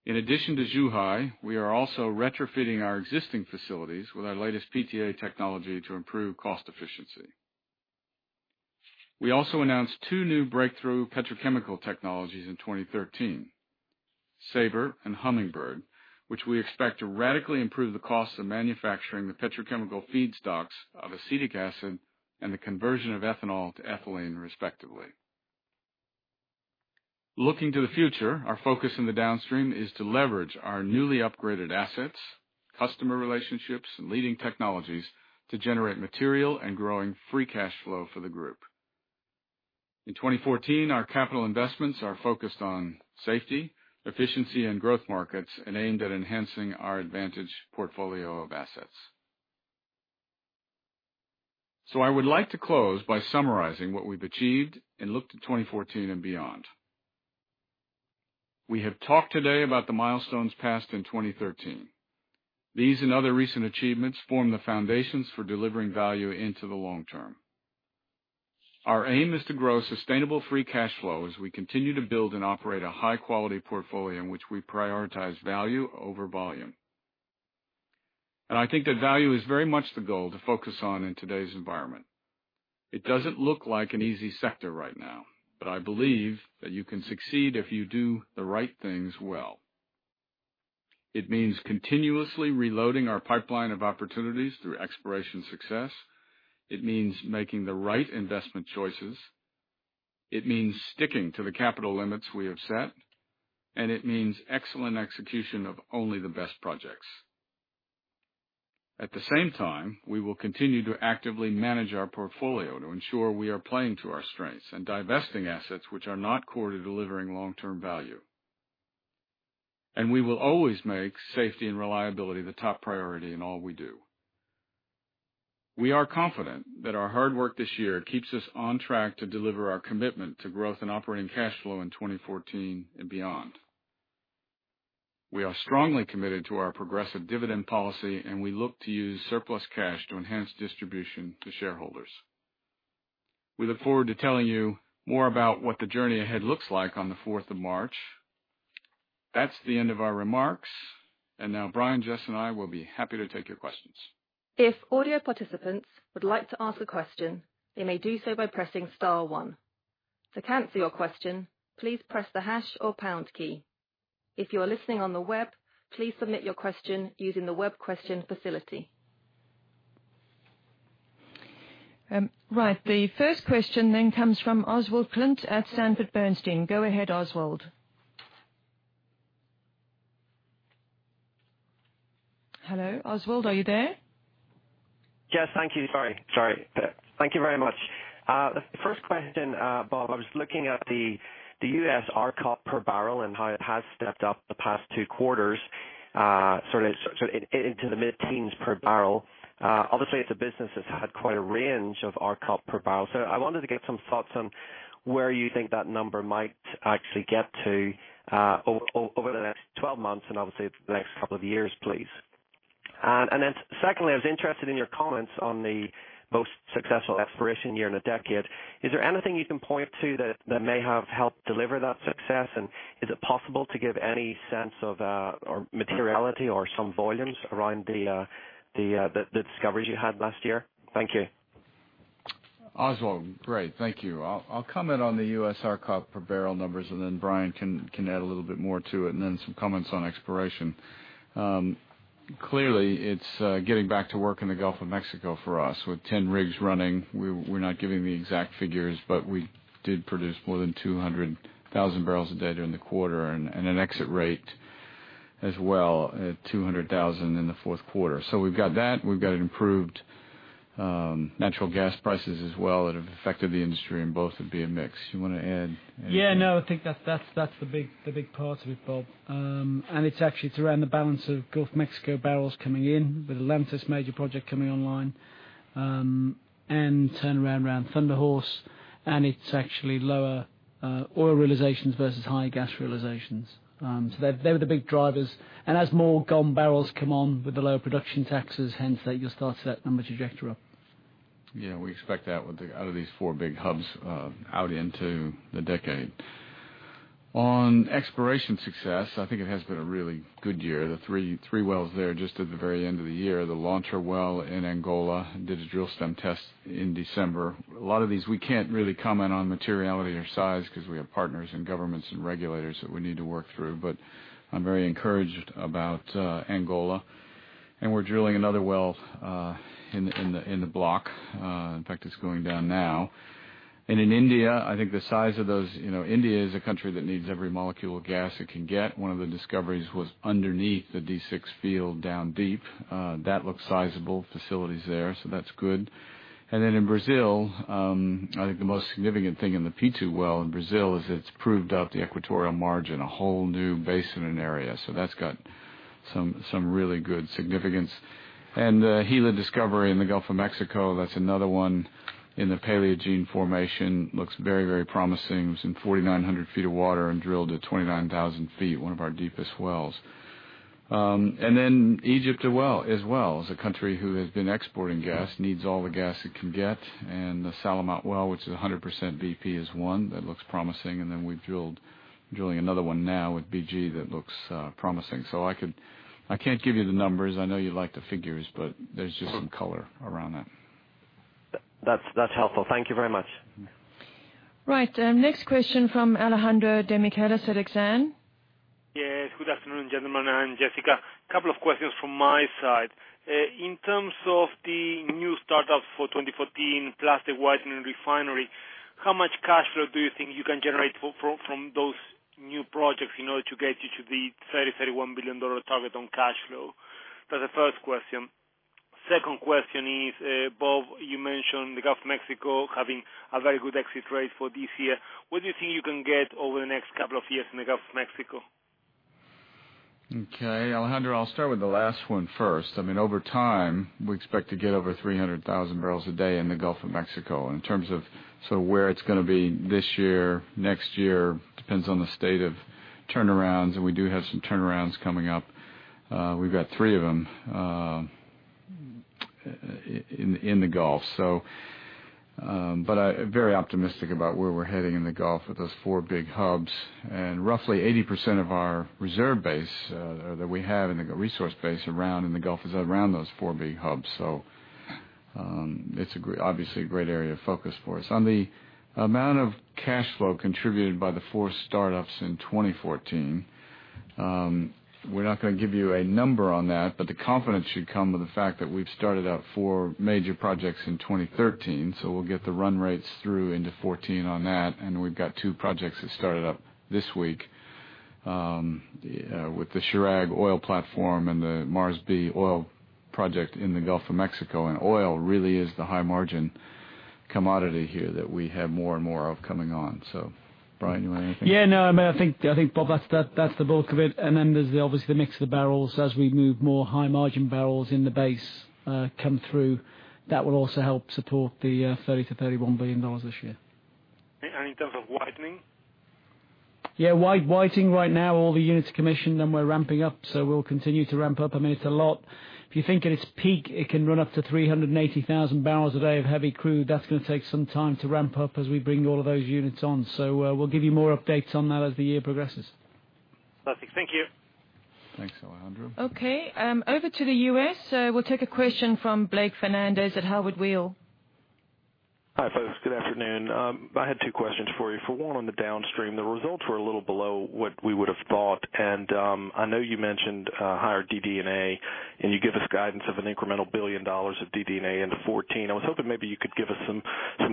In addition to Zhuhai, we are also retrofitting our existing facilities with our latest PTA technology to improve cost efficiency. We also announced two new breakthrough petrochemical technologies in 2013, SaaBre and Hummingbird, which we expect to radically improve the cost of manufacturing the petrochemical feedstocks of acetic acid and the conversion of ethanol to ethylene, respectively. Looking to the future, our focus in the downstream is to leverage our newly upgraded assets, customer relationships, and leading technologies to generate material and growing free cash flow for the group. In 2014, our capital investments are focused on safety, efficiency, and growth markets and aimed at enhancing our advantage portfolio of assets. I would like to close by summarizing what we've achieved and look to 2014 and beyond. We have talked today about the milestones passed in 2013. These and other recent achievements form the foundations for delivering value into the long term. Our aim is to grow sustainable free cash flow as we continue to build and operate a high-quality portfolio in which we prioritize value over volume. I think that value is very much the goal to focus on in today's environment. It doesn't look like an easy sector right now, but I believe that you can succeed if you do the right things well. It means continuously reloading our pipeline of opportunities through exploration success. It means making the right investment choices. It means sticking to the capital limits we have set, and it means excellent execution of only the best projects. At the same time, we will continue to actively manage our portfolio to ensure we are playing to our strengths and divesting assets which are not core to delivering long-term value. We will always make safety and reliability the top priority in all we do. We are confident that our hard work this year keeps us on track to deliver our commitment to growth and operating cash flow in 2014 and beyond. We are strongly committed to our progressive dividend policy, and we look to use surplus cash to enhance distribution to shareholders. We look forward to telling you more about what the journey ahead looks like on the 4th of March. That's the end of our remarks, and now Brian, Jess, and I will be happy to take your questions. If audio participants would like to ask a question, they may do so by pressing star one. To cancel your question, please press the hash or pound key. If you are listening on the web, please submit your question using the web question facility. Right. The first question comes from Oswald Clint at Sanford C. Bernstein. Go ahead, Oswald. Hello, Oswald, are you there? Yes. Thank you. Sorry. Thank you very much. The first question, Bob, I was looking at the U.S. RCOP per barrel and how it has stepped up the past two quarters, into the mid-teens per barrel. Obviously, it's a business that's had quite a range of RCOP per barrel. I wanted to get some thoughts on where you think that number might actually get to over the next 12 months and obviously the next couple of years, please. Secondly, I was interested in your comments on the most successful exploration year in a decade. Is there anything you can point to that may have helped deliver that success? Is it possible to give any sense of, or materiality or some volumes around the discoveries you had last year? Thank you. Oswald, great. Thank you. I'll comment on the U.S. RCOP per barrel numbers, Brian can add a little bit more to it, some comments on exploration. Clearly, it's getting back to work in the Gulf of Mexico for us with 10 rigs running. We're not giving the exact figures, but we did produce more than 200,000 barrels a day during the quarter and an exit rate as well at 200,000 in the fourth quarter. We've got that. We've got improved natural gas prices as well that have affected the industry in both the BTU mix. You want to add anything? Yeah, no. I think that's the big part of it, Bob. It's actually to round the balance of Gulf of Mexico barrels coming in with the Atlantis major project coming online, turn around Thunder Horse, it's actually lower oil realizations versus high gas realizations. They were the big drivers. As more GoM barrels come on with the lower production taxes, hence that you'll start to see that number trajectory up. We expect that out of these four big hubs out into the decade. On exploration success, I think it has been a really good year. The three wells there, just at the very end of the year, the Lontra well in Angola, did a drill stem test in December. A lot of these, we can't really comment on materiality or size because we have partners and governments and regulators that we need to work through. I'm very encouraged about Angola. We're drilling another well in the block. In fact, it's going down now. In India, I think the size of those. India is a country that needs every molecule of gas it can get. One of the discoveries was underneath the D6 field down deep. That looks sizable, facilities there, so that's good. In Brazil, I think the most significant thing in the Pitu well in Brazil is it's proved up the equatorial margin, a whole new basin area. That's got some really good significance. The Gila discovery in the Gulf of Mexico, that's another one in the Paleogene formation, looks very promising. It was in 4,900 feet of water and drilled at 29,000 feet, one of our deepest wells. Egypt as well, as a country who has been exporting gas, needs all the gas it can get. The Salamat well, which is 100% BP, is one that looks promising. We're drilling another one now with BG that looks promising. I can't give you the numbers. I know you like the figures, there's just some color around that. That's helpful. Thank you very much. Right. Next question from Alejandro Demichelis at Exane. Yes. Good afternoon, gentlemen and Jessica. Couple of questions from my side. In terms of the new startups for 2014, plus the Whiting refinery, how much cash flow do you think you can generate from those new projects in order to get you to the GBP 30 billion, GBP 31 billion target on cash flow? That's the first question. Second question is, Bob, you mentioned the Gulf of Mexico having a very good exit rate for this year. What do you think you can get over the next couple of years in the Gulf of Mexico? Alejandro, I'll start with the last one first. Over time, we expect to get over 300,000 barrels a day in the Gulf of Mexico. In terms of where it's going to be this year, next year, depends on the state of turnarounds, and we do have some turnarounds coming up. We've got three of them in the Gulf. I'm very optimistic about where we're heading in the Gulf with those four big hubs. Roughly 80% of our reserve base that we have in the resource base around in the Gulf is around those four big hubs. It's obviously a great area of focus for us. On the amount of cash flow contributed by the four startups in 2014, we're not going to give you a number on that, but the confidence should come with the fact that we've started up four major projects in 2013. We'll get the run rates through into 2014 on that. We've got two projects that started up this week with the Chirag oil platform and the Mars B oil project in the Gulf of Mexico. Oil really is the high-margin commodity here that we have more and more of coming on. Brian, you want to add anything? Yeah. No, I think, Bob, that's the bulk of it. Then there's obviously the mix of the barrels as we move more high-margin barrels in the base come through. That will also help support the GBP 30 billion-GBP 31 billion this year. In terms of Whiting? Yeah. Whiting right now, all the units are commissioned, and we're ramping up. We'll continue to ramp up. I mean, it's a lot. If you think at its peak, it can run up to 380,000 barrels a day of heavy crude. That's going to take some time to ramp up as we bring all of those units on. We'll give you more updates on that as the year progresses. Perfect. Thank you. Thanks, Alejandro. Okay. Over to the U.S. We'll take a question from Blake Fernandez at Howard Weil. Hi, folks. Good afternoon. I had two questions for you. For one on the downstream, the results were a little below what we would have thought. I know you mentioned higher DD&A, and you give us guidance of an incremental $1 billion of DD&A into 2014. I was hoping maybe you could give us some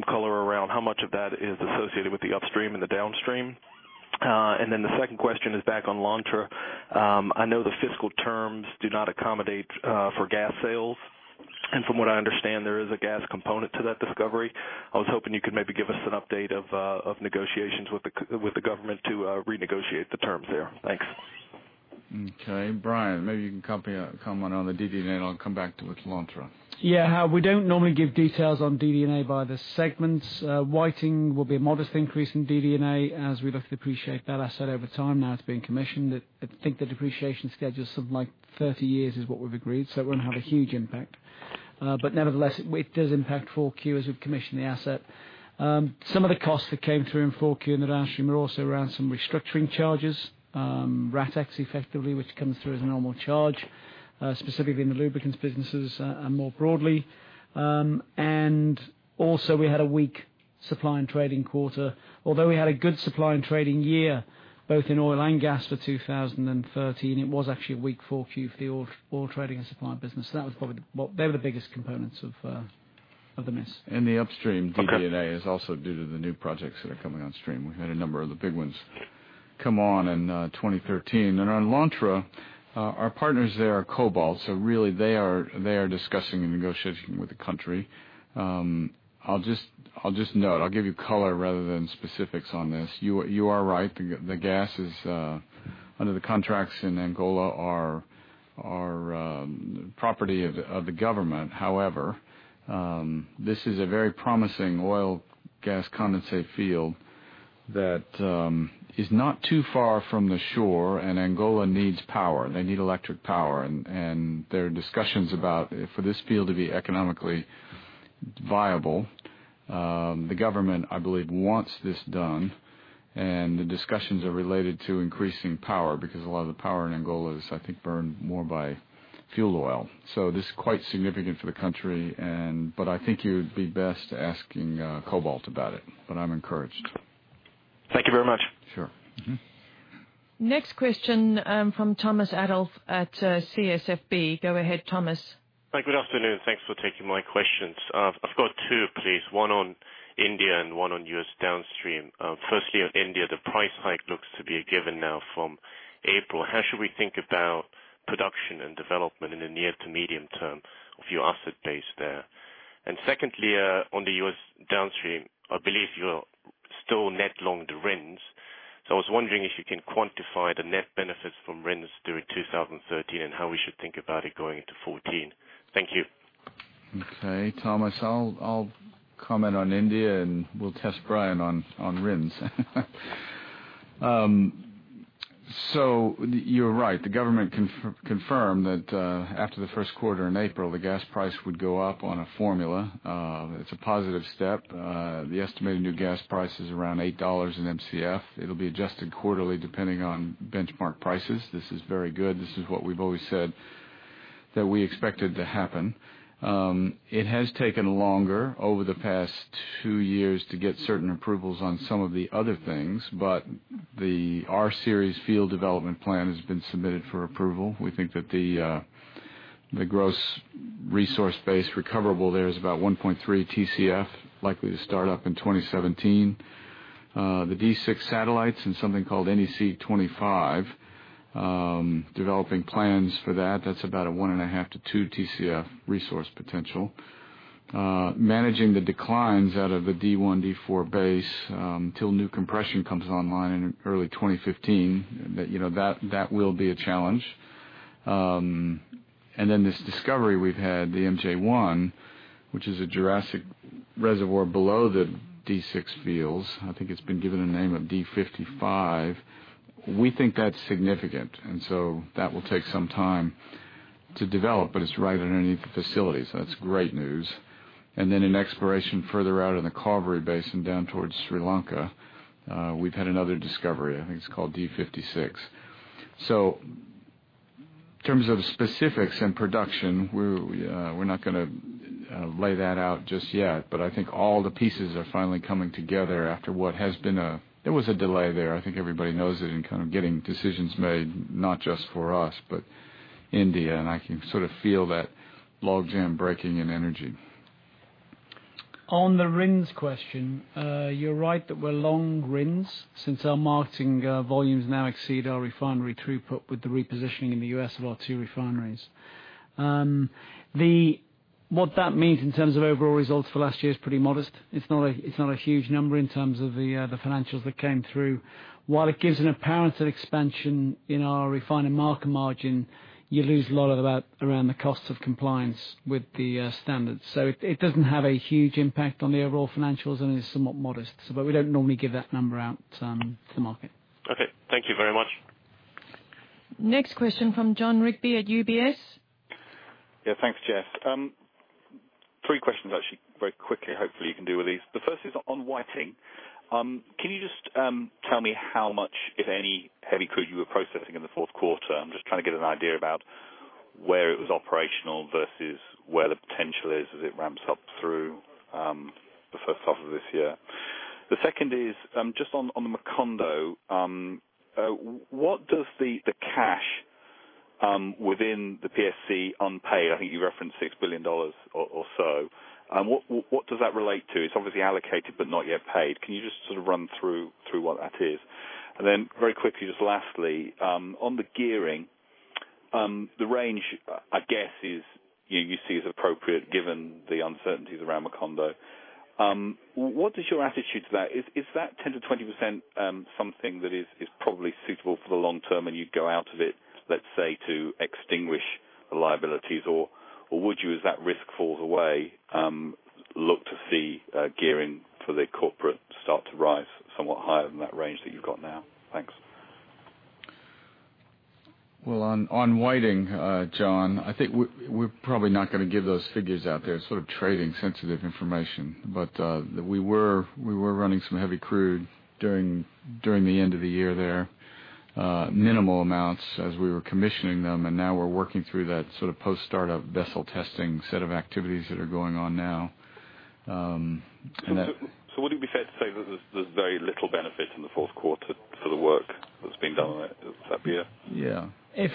color around how much of that is associated with the upstream and the downstream? Then the second question is back on Lontra. I know the fiscal terms do not accommodate for gas sales. From what I understand, there is a gas component to that discovery. I was hoping you could maybe give us an update of negotiations with the government to renegotiate the terms there. Thanks. Okay. Brian, maybe you can comment on the DD&A, I'll come back to it to Lontra. Yeah. We don't normally give details on DD&A by the segments. Whiting will be a modest increase in DD&A as we look to depreciate that asset over time now it's being commissioned. I think the depreciation schedule is something like 30 years is what we've agreed, so it won't have a huge impact. Nevertheless, it does impact Q4 as we've commissioned the asset. Some of the costs that came through in Q4 in the downstream are also around some restructuring charges. RATX, effectively, which comes through as a normal charge, specifically in the lubricants businesses and more broadly. Also we had a weak supply and trading quarter. Although we had a good supply and trading year, both in oil and gas for 2013, it was actually a weak Q4 for the oil trading and supply business. They were the biggest components of the miss. In the upstream. Okay. DD&A is also due to the new projects that are coming on stream. We've had a number of the big ones come on in 2013. On Lontra, our partners there are Cobalt, really, they are discussing and negotiating with the country. I'll just note, I'll give you color rather than specifics on this. You are right, the gas is under the contracts in Angola are property of the government. This is a very promising oil gas condensate field that is not too far from the shore, and Angola needs power. They need electric power, and there are discussions about for this field to be economically viable. The government, I believe, wants this done, and the discussions are related to increasing power because a lot of the power in Angola is, I think, burned more by fuel oil. This is quite significant for the country. I think you'd be best asking Cobalt about it. I'm encouraged. Thank you very much. Sure. Mm-hmm. Next question from Thomas Adolff at CSFB. Go ahead, Thomas. Hi, good afternoon. Thanks for taking my questions. I've got two, please, one on India and one on U.S. downstream. Firstly, on India, the price hike looks to be a given now from April. How should we think about production and development in the near to medium term of your asset base there? I was wondering if you can quantify the net benefits from RINs during 2013 and how we should think about it going into 2014. Thank you. Okay, Thomas. I'll comment on India. We'll test Brian on RINs. You're right. The government confirmed that after the first quarter in April, the gas price would go up on a formula. It's a positive step. The estimated new gas price is around $8 in Mcf. It'll be adjusted quarterly depending on benchmark prices. This is very good. This is what we've always said that we expected to happen. It has taken longer over the past two years to get certain approvals on some of the other things. The R-Series field development plan has been submitted for approval. We think that the gross resource base recoverable there is about 1.3 Tcf, likely to start up in 2017. The D6 satellites and something called NEC-25, developing plans for that. That's about a 1.5 to 2 Tcf resource potential. Managing the declines out of the D1, D4 base, till new compression comes online in early 2015. That will be a challenge. This discovery we've had, the MJ1, which is a Jurassic reservoir below the D6 fields. I think it's been given a name of D55. We think that's significant, that will take some time to develop, but it's right underneath the facility, so that's great news. In exploration further out in the Cauvery Basin down towards Sri Lanka, we've had another discovery. I think it's called D56. In terms of specifics and production, we're not going to lay that out just yet, but I think all the pieces are finally coming together after what has been a delay there. I think everybody knows it in kind of getting decisions made, not just for us, but India, I can sort of feel that logjam breaking in energy. On the RINs question, you're right that we're long RINs since our marketing volumes now exceed our refinery throughput with the repositioning in the U.S. of our two refineries. What that means in terms of overall results for last year is pretty modest. It's not a huge number in terms of the financials that came through. While it gives an apparent expansion in our refining market margin, you lose a lot around the cost of compliance with the standards. It doesn't have a huge impact on the overall financials, and it's somewhat modest. We don't normally give that number out to the market. Okay. Thank you very much. Next question from Jon Rigby at UBS. Thanks, Jess. Three questions actually. Very quickly, hopefully you can do all these. The first is on Whiting. Can you just tell me how much, if any, heavy crude you were processing in the fourth quarter? I'm just trying to get an idea about where it was operational versus where the potential is as it ramps up through the first half of this year. The second is just on Macondo. What does Within the PSC unpaid, I think you referenced GBP 6 billion or so? What does that relate to? It's obviously allocated, but not yet paid. Can you just sort of run through what that is? Very quickly, just lastly, on the gearing, the range, I guess you see as appropriate given the uncertainties around Macondo. What is your attitude to that? Is that 10%-20% something that is probably suitable for the long term and you'd go out of it, let's say, to extinguish the liabilities? Would you, as that risk falls away, look to see gearing for the corporate start to rise somewhat higher than that range that you've got now? Thanks. On Whiting, Jon, I think we're probably not going to give those figures out there, sort of trading sensitive information. We were running some heavy crude during the end of the year there. Minimal amounts as we were commissioning them. Now we're working through that sort of post-startup vessel testing set of activities that are going on now. Would it be fair to say there's very little benefit in the fourth quarter for the work that's being done on it this year? Yeah. If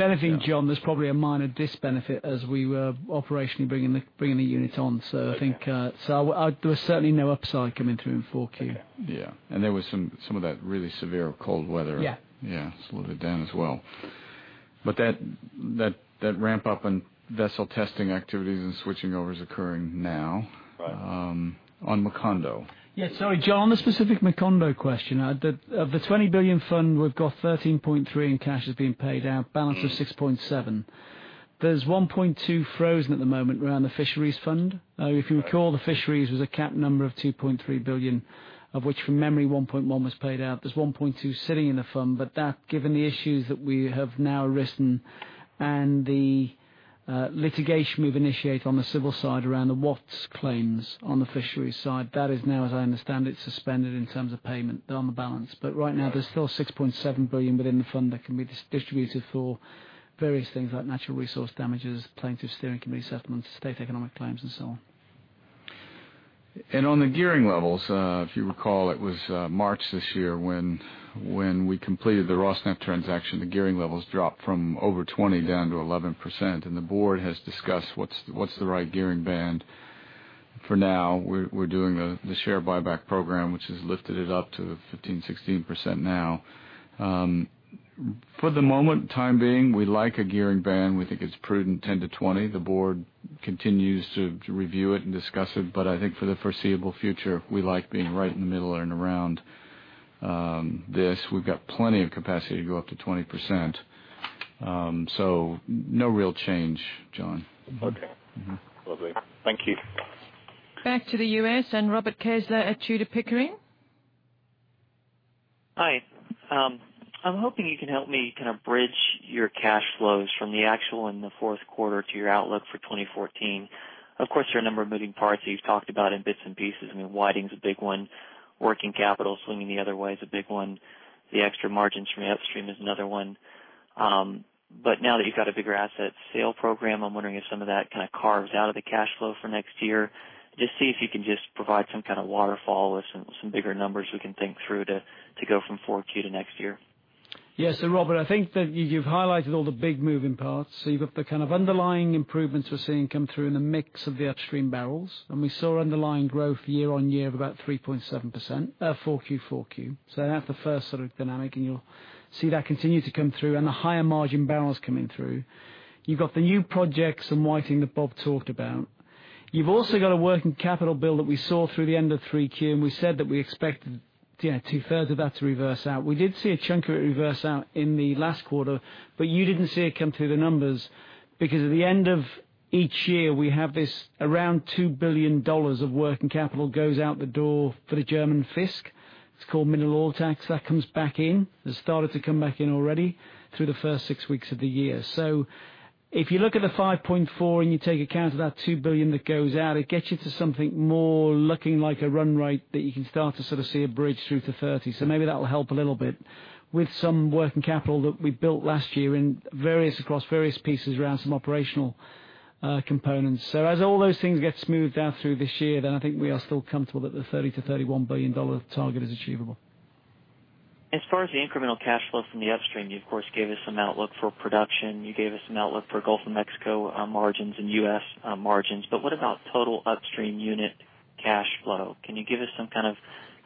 anything, Jon, there's probably a minor disbenefit as we were operationally bringing the unit on. I think there was certainly no upside coming through in 4Q. Yeah. There was some of that really severe cold weather. Yeah. Yeah. Slowed it down as well. That ramp-up in vessel testing activities and switching over is occurring now. Right. On Macondo. Sorry, Jon, the specific Macondo question. Of the 20 billion fund, we've got 13.3 in cash that's been paid out, balance of 6.7. There's 1.2 frozen at the moment around the fisheries fund. If you recall, the fisheries was a cap number of 2.3 billion, of which, from memory, 1.1 was paid out. There's 1.2 sitting in the fund. That, given the issues that we have now arisen and the litigation we've initiated on the civil side around the Watts claims on the fisheries side, that is now, as I understand it, suspended in terms of payment on the balance. Right now there's still 6.7 billion within the fund that can be distributed for various things like natural resource damages, Plaintiffs' Steering Committee settlements, state economic claims, and so on. On the gearing levels, if you recall, it was March this year when we completed the Rosneft transaction. The gearing levels dropped from over 20 down to 11%, and the board has discussed what's the right gearing band. For now, we're doing the share buyback program, which has lifted it up to 15%, 16% now. For the moment, time being, we like a gearing band. We think it's prudent 10-20. The board continues to review it and discuss it. I think for the foreseeable future, we like being right in the middle and around this. We've got plenty of capacity to go up to 20%. No real change, Jon. Okay. Lovely. Thank you. Back to the U.S. and Robert Kessler at Tudor, Pickering. Hi. I'm hoping you can help me kind of bridge your cash flows from the actual in the fourth quarter to your outlook for 2014. Of course, there are a number of moving parts that you've talked about in bits and pieces. I mean, Whiting's a big one. Working capital swinging the other way is a big one. The extra margins from upstream is another one. Now that you've got a bigger asset sale program, I'm wondering if some of that kind of carves out of the cash flow for next year. Just see if you can just provide some kind of waterfall with some bigger numbers we can think through to go from 4Q to next year. Yeah. Robert, I think that you've highlighted all the big moving parts. You've got the kind of underlying improvements we're seeing come through in the mix of the upstream barrels, and we saw underlying growth year-on-year of about 3.7%, 4Q. That's the first sort of dynamic, and you'll see that continue to come through and the higher margin barrels coming through. You've got the new projects and Whiting that Bob talked about. You've also got a working capital bill that we saw through the end of 3Q, and we said that we expected two-thirds of that to reverse out. We did see a chunk of it reverse out in the last quarter, but you didn't see it come through the numbers, because at the end of each year, we have this around GBP 2 billion of working capital goes out the door for the German fisc. It's called mineral oil tax. That comes back in. It started to come back in already through the first six weeks of the year. If you look at the 5.4 and you take account of that 2 billion that goes out, it gets you to something more looking like a run rate that you can start to sort of see a bridge through to 30. Maybe that will help a little bit with some working capital that we built last year across various pieces around some operational components. As all those things get smoothed out through this year, then I think we are still comfortable that the GBP 30 billion-GBP 31 billion target is achievable. As far as the incremental cash flows from the upstream, you of course gave us some outlook for production. You gave us some outlook for Gulf of Mexico margins and U.S. margins. What about total upstream unit cash flow? Can you give us some kind of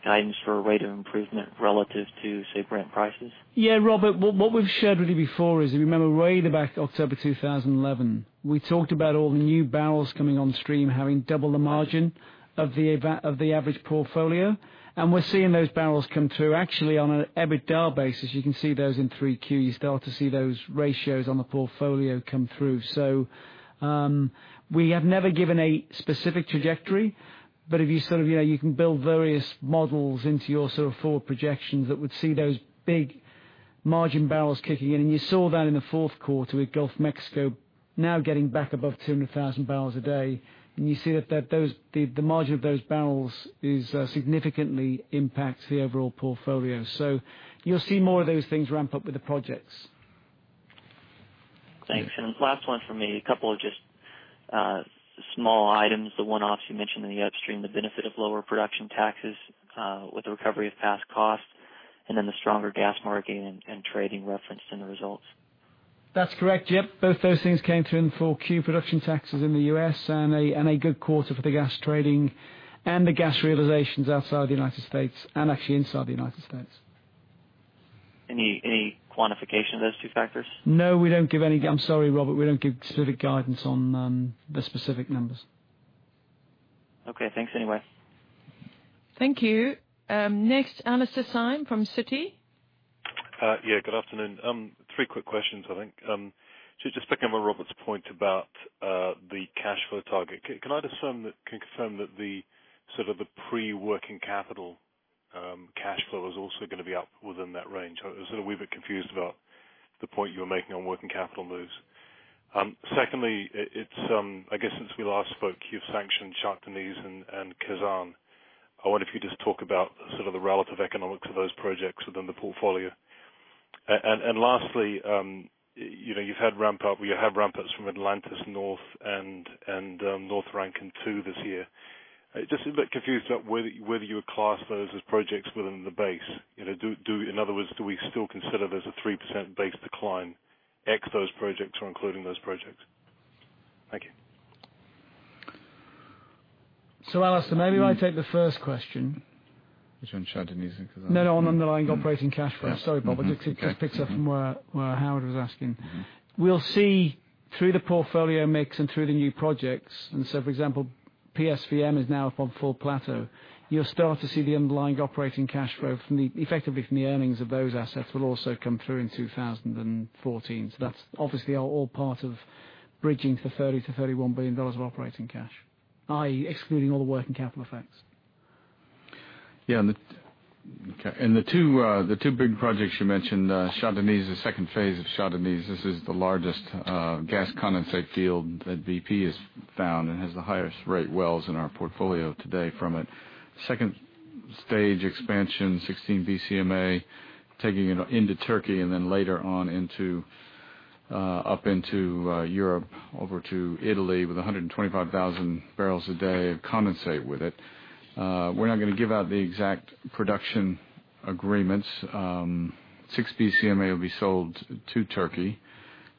guidance for a rate of improvement relative to, say, Brent prices? Yeah, Robert. What we've shared with you before is, if you remember way back October 2011, we talked about all the new barrels coming on stream having double the margin of the average portfolio. We're seeing those barrels come through actually on an EBITDA basis. You can see those in 3Q. You start to see those ratios on the portfolio come through. We have never given a specific trajectory, but you can build various models into your sort of forward projections that would see those big margin barrels kicking in. You saw that in the fourth quarter with Gulf of Mexico now getting back above 200,000 barrels a day. You see that the margin of those barrels is significantly impacts the overall portfolio. You'll see more of those things ramp up with the projects. Thanks. Last one from me. A couple of small items, the one-offs you mentioned in the upstream, the benefit of lower production taxes with the recovery of past costs, and then the stronger gas marketing and trading referenced in the results. That's correct, yep. Both those things came through in 4Q production taxes in the U.S. and a good quarter for the gas trading and the gas realizations outside of the United States and actually inside the United States. Any quantification of those two factors? No, we don't give any. I'm sorry, Robert, we don't give specific guidance on the specific numbers. Okay, thanks anyway. Thank you. Next, Alastair Syme from Citi. Yeah, good afternoon. Three quick questions, I think. Just picking up on Robert's point about the cash flow target. Can I confirm that the pre-working capital cash flow is also going to be up within that range? I was sort of a wee bit confused about the point you were making on working capital moves. Secondly, I guess since we last spoke, you've sanctioned Shah Deniz and Khazzan. I wonder if you just talk about the relative economics of those projects within the portfolio. Lastly, you've had ramp-up, or you have ramp-ups from Atlantis North and North Rankin 2 this year. Just a bit confused about whether you would class those as projects within the base. In other words, do we still consider there's a 3% base decline, ex those projects or including those projects? Thank you. Alastair, maybe I take the first question. Which one? Shah Deniz or Khazzan? No, on underlying operating cash flow. Sorry, Bob. Yep. Okay. I just picked up from where Howard was asking. We'll see through the portfolio mix and through the new projects, for example, PSVM is now up on full plateau. You'll start to see the underlying operating cash flow, effectively from the earnings of those assets, will also come through in 2014. That's obviously all part of bridging to the GBP 30 billion-GBP 31 billion of operating cash, i.e., excluding all the working capital effects. Yeah. The two big projects you mentioned, Shah Deniz, the phase 2 of Shah Deniz. This is the largest gas condensate field that BP has found and has the highest rate wells in our portfolio today from it. Stage 2 expansion, 16 BCMA, taking it into Turkey and then later on up into Europe, over to Italy with 125,000 barrels a day of condensate with it. We're not going to give out the exact production agreements. Six BCMA will be sold to Turkey.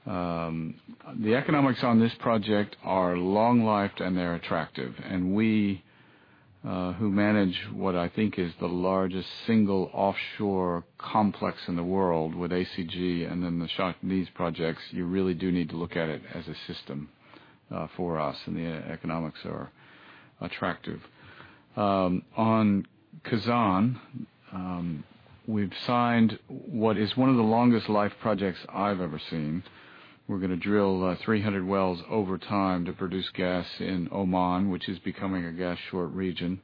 The economics on this project are long-lived, and they're attractive. We, who manage what I think is the largest single offshore complex in the world with ACG and then the Shah Deniz projects, you really do need to look at it as a system for us. The economics are attractive. On Khazzan, we've signed what is one of the longest life projects I've ever seen. We're going to drill 300 wells over time to produce gas in Oman, which is becoming a gas short region.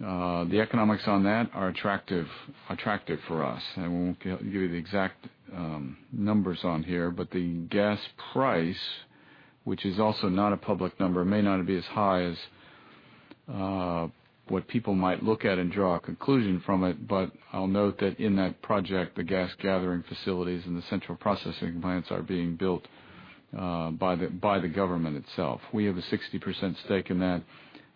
The economics on that are attractive for us. I won't give you the exact numbers on here, but the gas price, which is also not a public number, may not be as high as what people might look at and draw a conclusion from it. I'll note that in that project, the gas gathering facilities and the central processing plants are being built by the government itself. We have a 60% stake in that,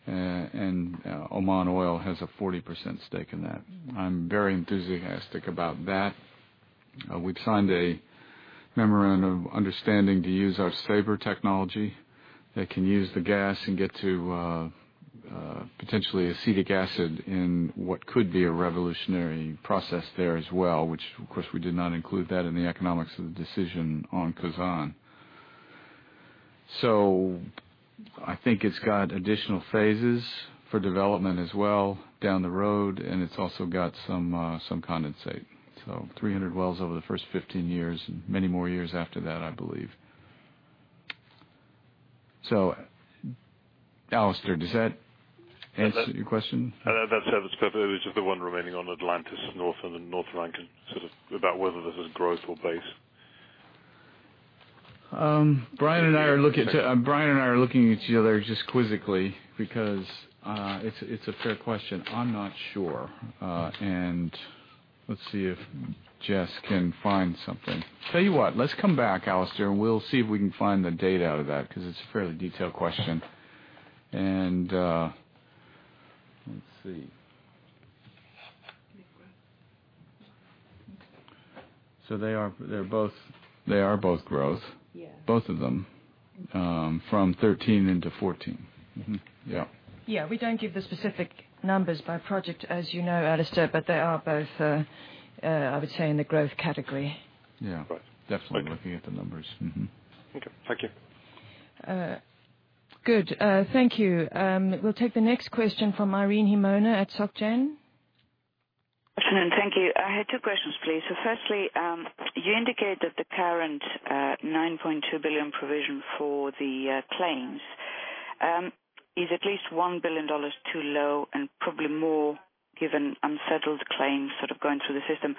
and Oman Oil has a 40% stake in that. I'm very enthusiastic about that. We've signed a memorandum of understanding to use our SaaBre technology that can use the gas and get to potentially acetic acid in what could be a revolutionary process there as well, which of course, we did not include that in the economics of the decision on Khazzan. I think it's got additional phases for development as well down the road, and it's also got some condensate. 300 wells over the first 15 years and many more years after that, I believe. Alastair, does that answer your question? That's perfect. There was just the one remaining on Atlantis North Rankin, sort of about whether this is growth or base. Brian and I are looking at each other just quizzically because it's a fair question. I'm not sure. Let's see if Jess can find something. Tell you what, let's come back, Alastair, and we'll see if we can find the data out of that because it's a fairly detailed question. Let's see. They are both growth. Yeah. Both of them from 2013 into 2014. Mm-hmm. Yep. Yeah, we don't give the specific numbers by project as you know, Alastair, but they are both, I would say, in the growth category. Yeah. Right. Definitely looking at the numbers. Mm-hmm. Okay. Thank you. Good. Thank you. We will take the next question from Irene Himona at Société Générale. Good afternoon. Thank you. I had two questions, please. Firstly, you indicate that the current $9.2 billion provision for the claims is at least $1 billion too low and probably more, given unsettled claims sort of going through the system.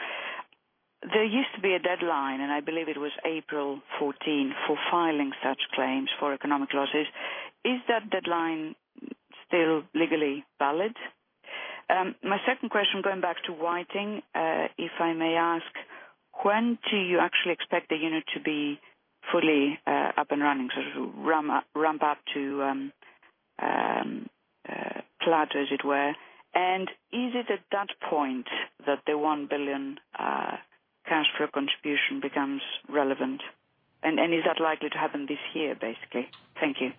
There used to be a deadline, and I believe it was April 14, for filing such claims for economic losses. Is that deadline still legally valid? My second question, going back to Whiting, if I may ask, when do you actually expect the unit to be fully up and running? Ramp up to plateau, as it were. Is it at that point that the $1 billion cash flow contribution becomes relevant? Is that likely to happen this year, basically? Thank you.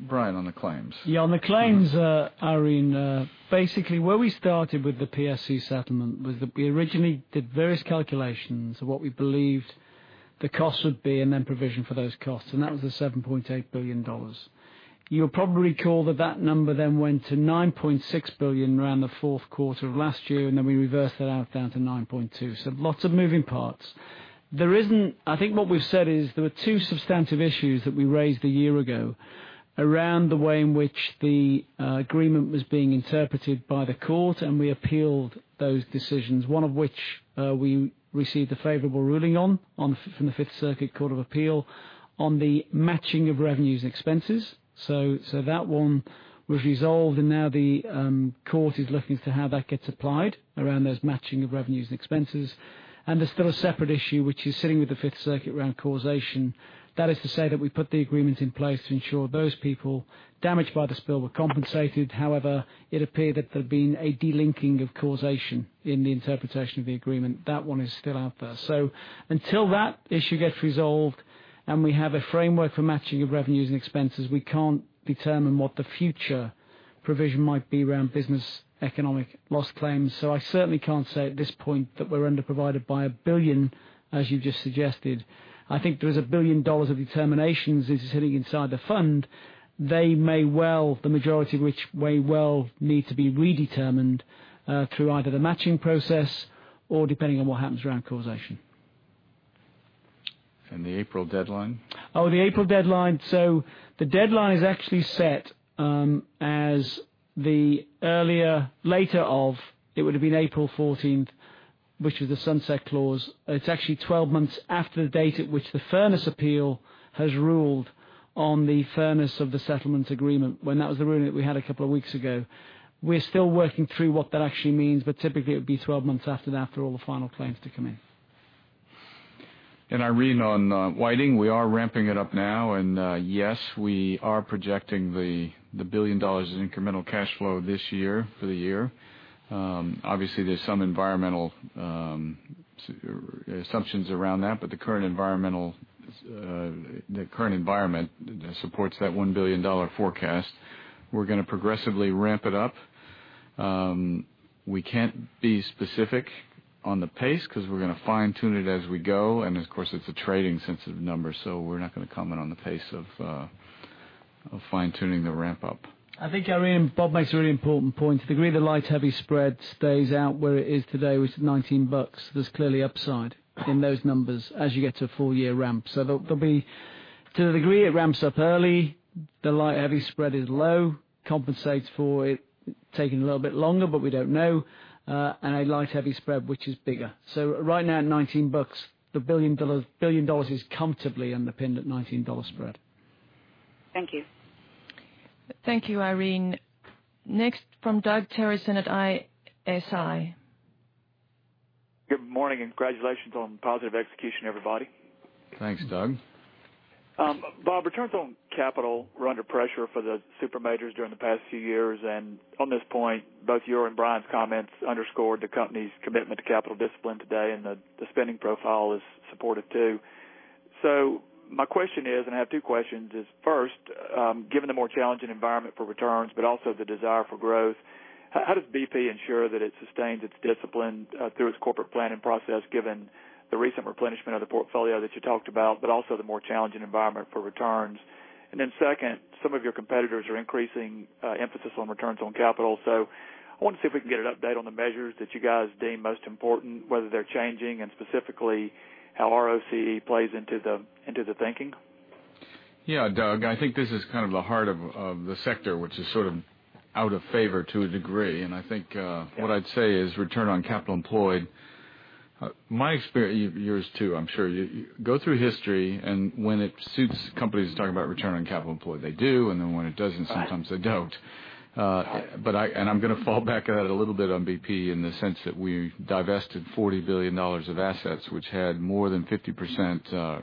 Brian, on the claims. On the claims, Irene, basically, where we started with the PSC settlement was that we originally did various calculations of what we believed the cost would be and then provision for those costs, and that was the $7.8 billion. You'll probably recall that that number then went to $9.6 billion around the fourth quarter of last year, we reversed that out down to $9.2 billion. Lots of moving parts. I think what we've said is there were two substantive issues that we raised a year ago around the way in which the agreement was being interpreted by the court, we appealed those decisions, one of which we received a favorable ruling on from the Fifth Circuit Court of Appeal on the matching of revenues and expenses. That one was resolved, and now the court is looking as to how that gets applied around those matching of revenues and expenses. There's still a separate issue, which is sitting with the Fifth Circuit around causation. That is to say that we put the agreement in place to ensure those people damaged by the spill were compensated. However, it appeared that there'd been a delinking of causation in the interpretation of the agreement. That one is still out there. Until that issue gets resolved and we have a framework for matching of revenues and expenses, we can't determine what the future provision might be around business economic loss claims. I certainly can't say at this point that we're under provided by $1 billion, as you've just suggested. I think there is $1 billion of determinations is sitting inside the fund. The majority of which may well need to be redetermined, through either the matching process or depending on what happens around causation. The April deadline? Oh, the April deadline. The deadline is actually set, as the earlier, later of, it would have been April 14th, which was the sunset clause. It's actually 12 months after the date at which the Fifth Circuit appeal has ruled on the fairness of the settlement agreement when that was the ruling that we had a couple of weeks ago. We're still working through what that actually means, but typically it would be 12 months after that for all the final claims to come in. Irene, on Whiting, we are ramping it up now. Yes, we are projecting the $1 billion in incremental cash flow this year for the year. Obviously, there's some environmental assumptions around that, but the current environment supports that $1 billion forecast. We're going to progressively ramp it up. We can't be specific on the pace because we're going to fine-tune it as we go, and of course, it's a trading sensitive number, we're not going to comment on the pace of fine-tuning the ramp up. I think, Irene, Bob makes a really important point. To the degree the light heavy spread stays out where it is today, which is $19, there's clearly upside in those numbers as you get to a full-year ramp. There'll be, to the degree it ramps up early, the light heavy spread is low, compensates for it taking a little bit longer, but we don't know, and a light heavy spread, which is bigger. Right now at $19, the $1 billion is comfortably underpinned at $19 spread. Thank you. Thank you, Irene. Next from Doug Terreson at ISI. Good morning. Congratulations on positive execution, everybody. Thanks, Doug. Bob, returns on capital were under pressure for the super majors during the past few years. On this point, both your and Brian's comments underscored the company's commitment to capital discipline today. The spending profile is supported too. My question is, I have two questions. First, given the more challenging environment for returns, also the desire for growth, how does BP ensure that it sustains its discipline through its corporate planning process, given the recent replenishment of the portfolio that you talked about, also the more challenging environment for returns? Second, some of your competitors are increasing emphasis on returns on capital. I wanted to see if we can get an update on the measures that you guys deem most important, whether they're changing, and specifically how ROCE plays into the thinking. Yeah, Doug, I think this is kind of the heart of the sector, which is sort of out of favor to a degree. I think what I'd say is return on capital employed. My experience, yours too, I'm sure. You go through history, when it suits companies talking about return on capital employed, they do, then when it doesn't. Right Sometimes they don't. I'm going to fall back on it a little bit on BP in the sense that we divested GBP 40 billion of assets, which had more than 50%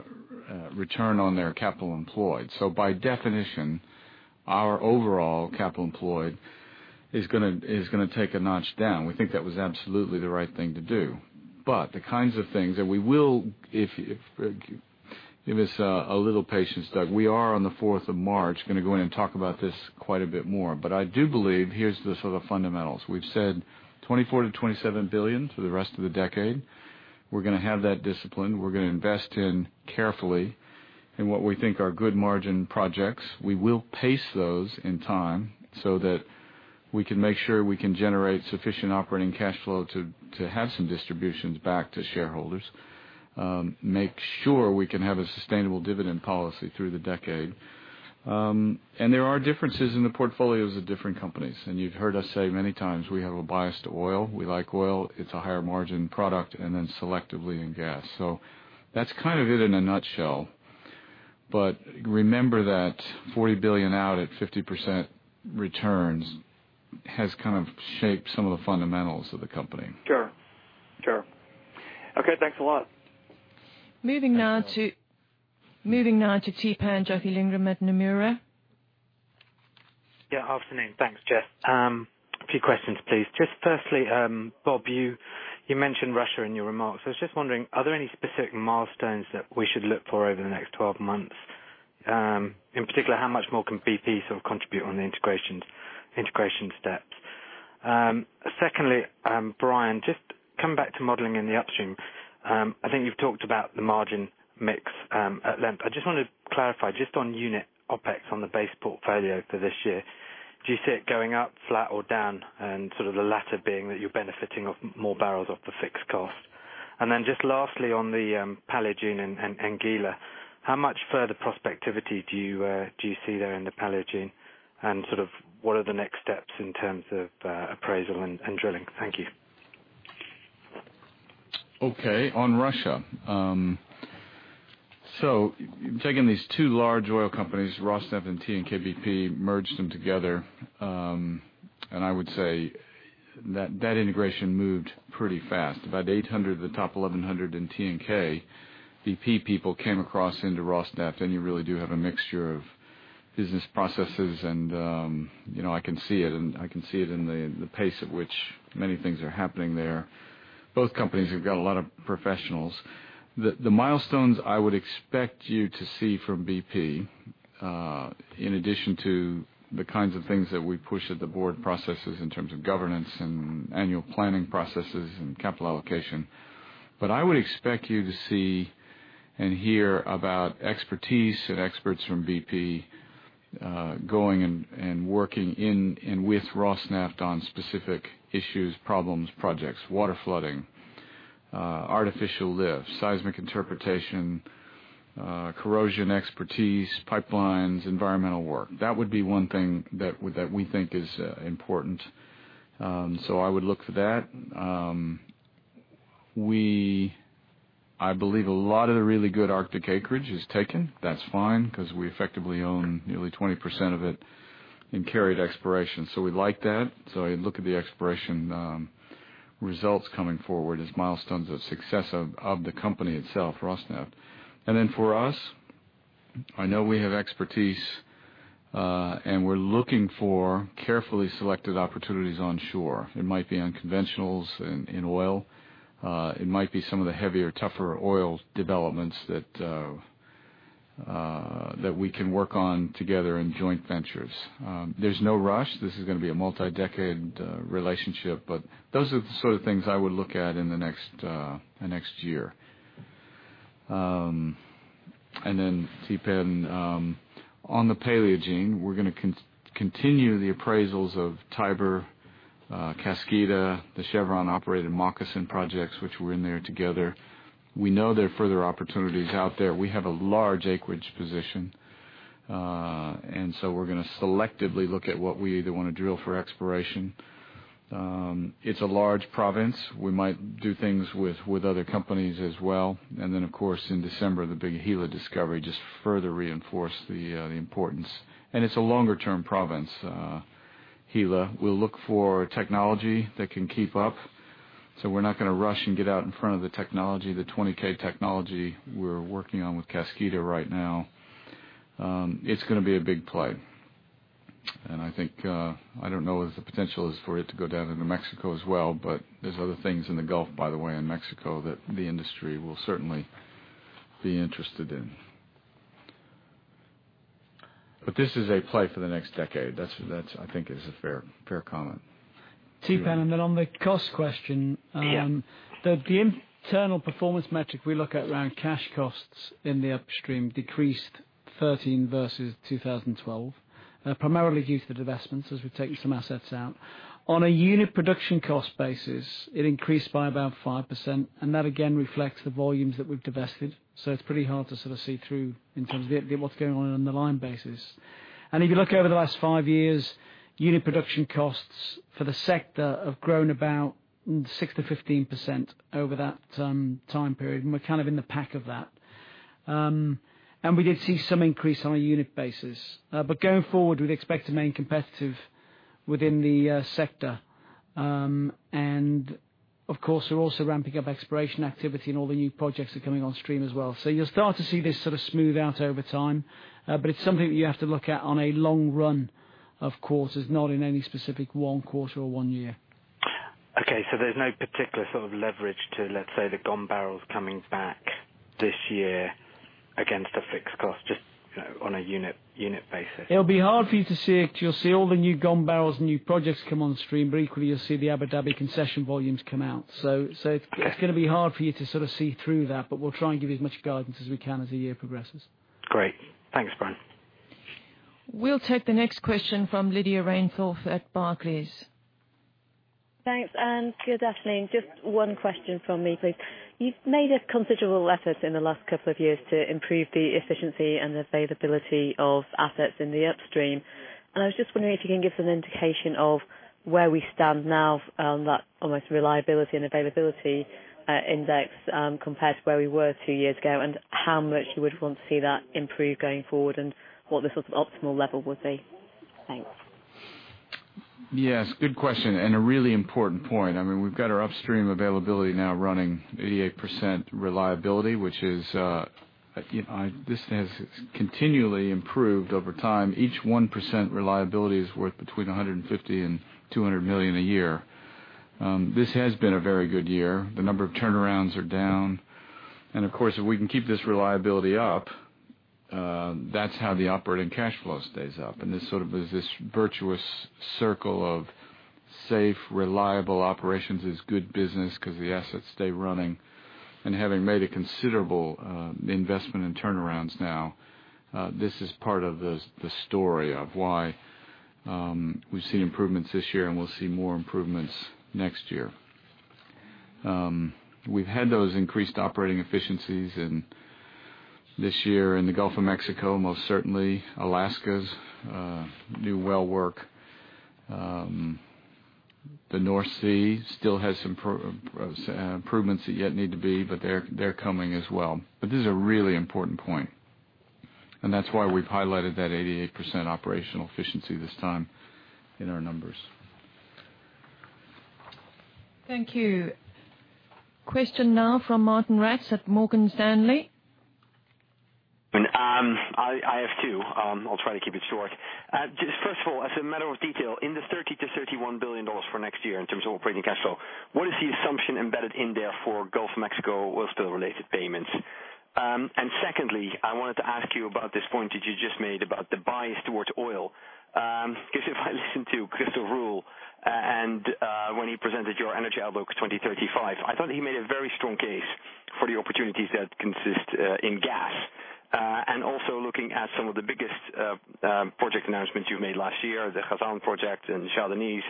return on their capital employed. By definition, our overall capital employed is going to take a notch down. We think that was absolutely the right thing to do. The kinds of things that we will, if it's a little patience, Doug, we are on the 4th of March, going to go in and talk about this quite a bit more. I do believe here's the sort of fundamentals. We've said 24 billion-27 billion for the rest of the decade. We're going to have that discipline. We're going to invest carefully in what we think are good margin projects. We will pace those in time so that we can make sure we can generate sufficient operating cash flow to have some distributions back to shareholders. Make sure we can have a sustainable dividend policy through the decade. There are differences in the portfolios of different companies. You've heard us say many times, we have a bias to oil. We like oil. It's a higher margin product, then selectively in gas. That's kind of it in a nutshell. Remember that 40 billion out at 50% returns has kind of shaped some of the fundamentals of the company. Sure. Okay. Thanks a lot. Moving now to Theepan Jothilingam at Nomura. Yeah. Afternoon. Thanks, Jess. A few questions, please. Firstly, Bob, you mentioned Russia in your remarks. I was just wondering, are there any specific milestones that we should look for over the next 12 months? In particular, how much more can BP sort of contribute on the integration steps? Secondly, Brian, just coming back to modeling in the upstream. I think you've talked about the margin mix at length. I just want to clarify, just on unit OpEx on the base portfolio for this year. Do you see it going up, flat or down, and sort of the latter being that you're benefiting off more barrels off the fixed cost? Lastly, on the Paleogene and Angola, how much further prospectivity do you see there in the Paleogene, and sort of what are the next steps in terms of appraisal and drilling? Thank you. Okay, on Russia. You're taking these two large oil companies, Rosneft and TNK-BP, merged them together, and I would say that integration moved pretty fast. About 800 of the top 1,100 in TNK-BP people came across into Rosneft, and you really do have a mixture of business processes, and I can see it in the pace at which many things are happening there. Both companies have got a lot of professionals. The milestones I would expect you to see from BP, in addition to the kinds of things that we push at the board processes in terms of governance and annual planning processes and capital allocation. I would expect you to see and hear about expertise and experts from BP going and working in and with Rosneft on specific issues, problems, projects, water flooding, artificial lift, seismic interpretation, corrosion expertise, pipelines, environmental work. That would be one thing that we think is important. I would look for that. I believe a lot of the really good Arctic acreage is taken. That's fine, because we effectively own nearly 20% of it and carry it at exploration. We like that. I look at the exploration results coming forward as milestones of success of the company itself, Rosneft. For us, I know we have expertise, and we're looking for carefully selected opportunities on shore. It might be unconventionals in oil. It might be some of the heavier, tougher oil developments that we can work on together in joint ventures. There's no rush. This is going to be a multi-decade relationship, those are the sort of things I would look at in the next year. Tapan, on the Paleogene, we're going to continue the appraisals of Tiber, Kaskida, the Chevron-operated Moccasin projects, which we're in there together. We know there are further opportunities out there. We have a large acreage position. We're going to selectively look at what we either want to drill for exploration. It's a large province. We might do things with other companies as well. Of course, in December, the big Gila discovery just further reinforced the importance. It's a longer-term province, Gila. We'll look for technology that can keep up. We're not going to rush and get out in front of the technology, the 20K technology we're working on with Kaskida right now. It's going to be a big play. I think, I don't know if the potential is for it to go down into Mexico as well, but there's other things in the Gulf, by the way, in Mexico, that the industry will certainly be interested in. This is a play for the next decade. That, I think is a fair comment. Tapan, on the cost question- Yeah the internal performance metric we look at around cash costs in the upstream decreased 13% versus 2012, primarily due to the divestments as we've taken some assets out. On a unit production cost basis, it increased by about 5%, and that again reflects the volumes that we've divested. It's pretty hard to sort of see through in terms of what's going on on the line basis. If you look over the last five years, unit production costs for the sector have grown about 6%-15% over that time period, and we're kind of in the pack of that. We did see some increase on a unit basis. Going forward, we'd expect to remain competitive within the sector. Of course, we're also ramping up exploration activity, and all the new projects are coming on stream as well. You'll start to see this sort of smooth out over time. It's something that you have to look at on a long run of quarters, not in any specific one quarter or one year. There's no particular sort of leverage to, let's say, the GoM barrels coming back this year against a fixed cost, just on a unit basis. It'll be hard for you to see it, you'll see all the new GoM barrels and new projects come on stream, but equally, you'll see the Abu Dhabi concession volumes come out. It's going to be hard for you to sort of see through that, but we'll try and give you as much guidance as we can as the year progresses. Great. Thanks, Brian. We'll take the next question from Lydia Rainforth at Barclays. Thanks. Good afternoon. Just one question from me, please. You've made a considerable effort in the last couple of years to improve the efficiency and availability of assets in the upstream. I was just wondering if you can give us an indication of where we stand now on that almost reliability and availability index, compared to where we were two years ago, and how much you would want to see that improve going forward, and what the sort of optimal level would be. Thanks. Yes, good question, a really important point. We've got our upstream availability now running 88% reliability. This has continually improved over time. Each 1% reliability is worth between 150 million and 200 million a year. This has been a very good year. The number of turnarounds are down. Of course, if we can keep this reliability up, that's how the operating cash flow stays up. This sort of is this virtuous circle of safe, reliable operations is good business because the assets stay running. Having made a considerable investment in turnarounds now, this is part of the story of why we've seen improvements this year, and we'll see more improvements next year. We've had those increased operating efficiencies this year in the Gulf of Mexico, most certainly Alaska's new well work. The North Sea still has some improvements that yet need to be, they're coming as well. This is a really important point, and that's why we've highlighted that 88% operational efficiency this time in our numbers. Thank you. Question now from Martijn Rats at Morgan Stanley. I have two. I'll try to keep it short. First of all, as a matter of detail, in the 30 billion to GBP 31 billion for next year in terms of operating cash flow, what is the assumption embedded in there for Gulf of Mexico well still related payments? Secondly, I wanted to ask you about this point that you just made about the bias towards oil. If I listen to Christof Rühl and when he presented your Energy Outlook 2035, I thought he made a very strong case for the opportunities that consist in gas. Also looking at some of the biggest project announcements you've made last year, the Khazzan project and the Shah Deniz.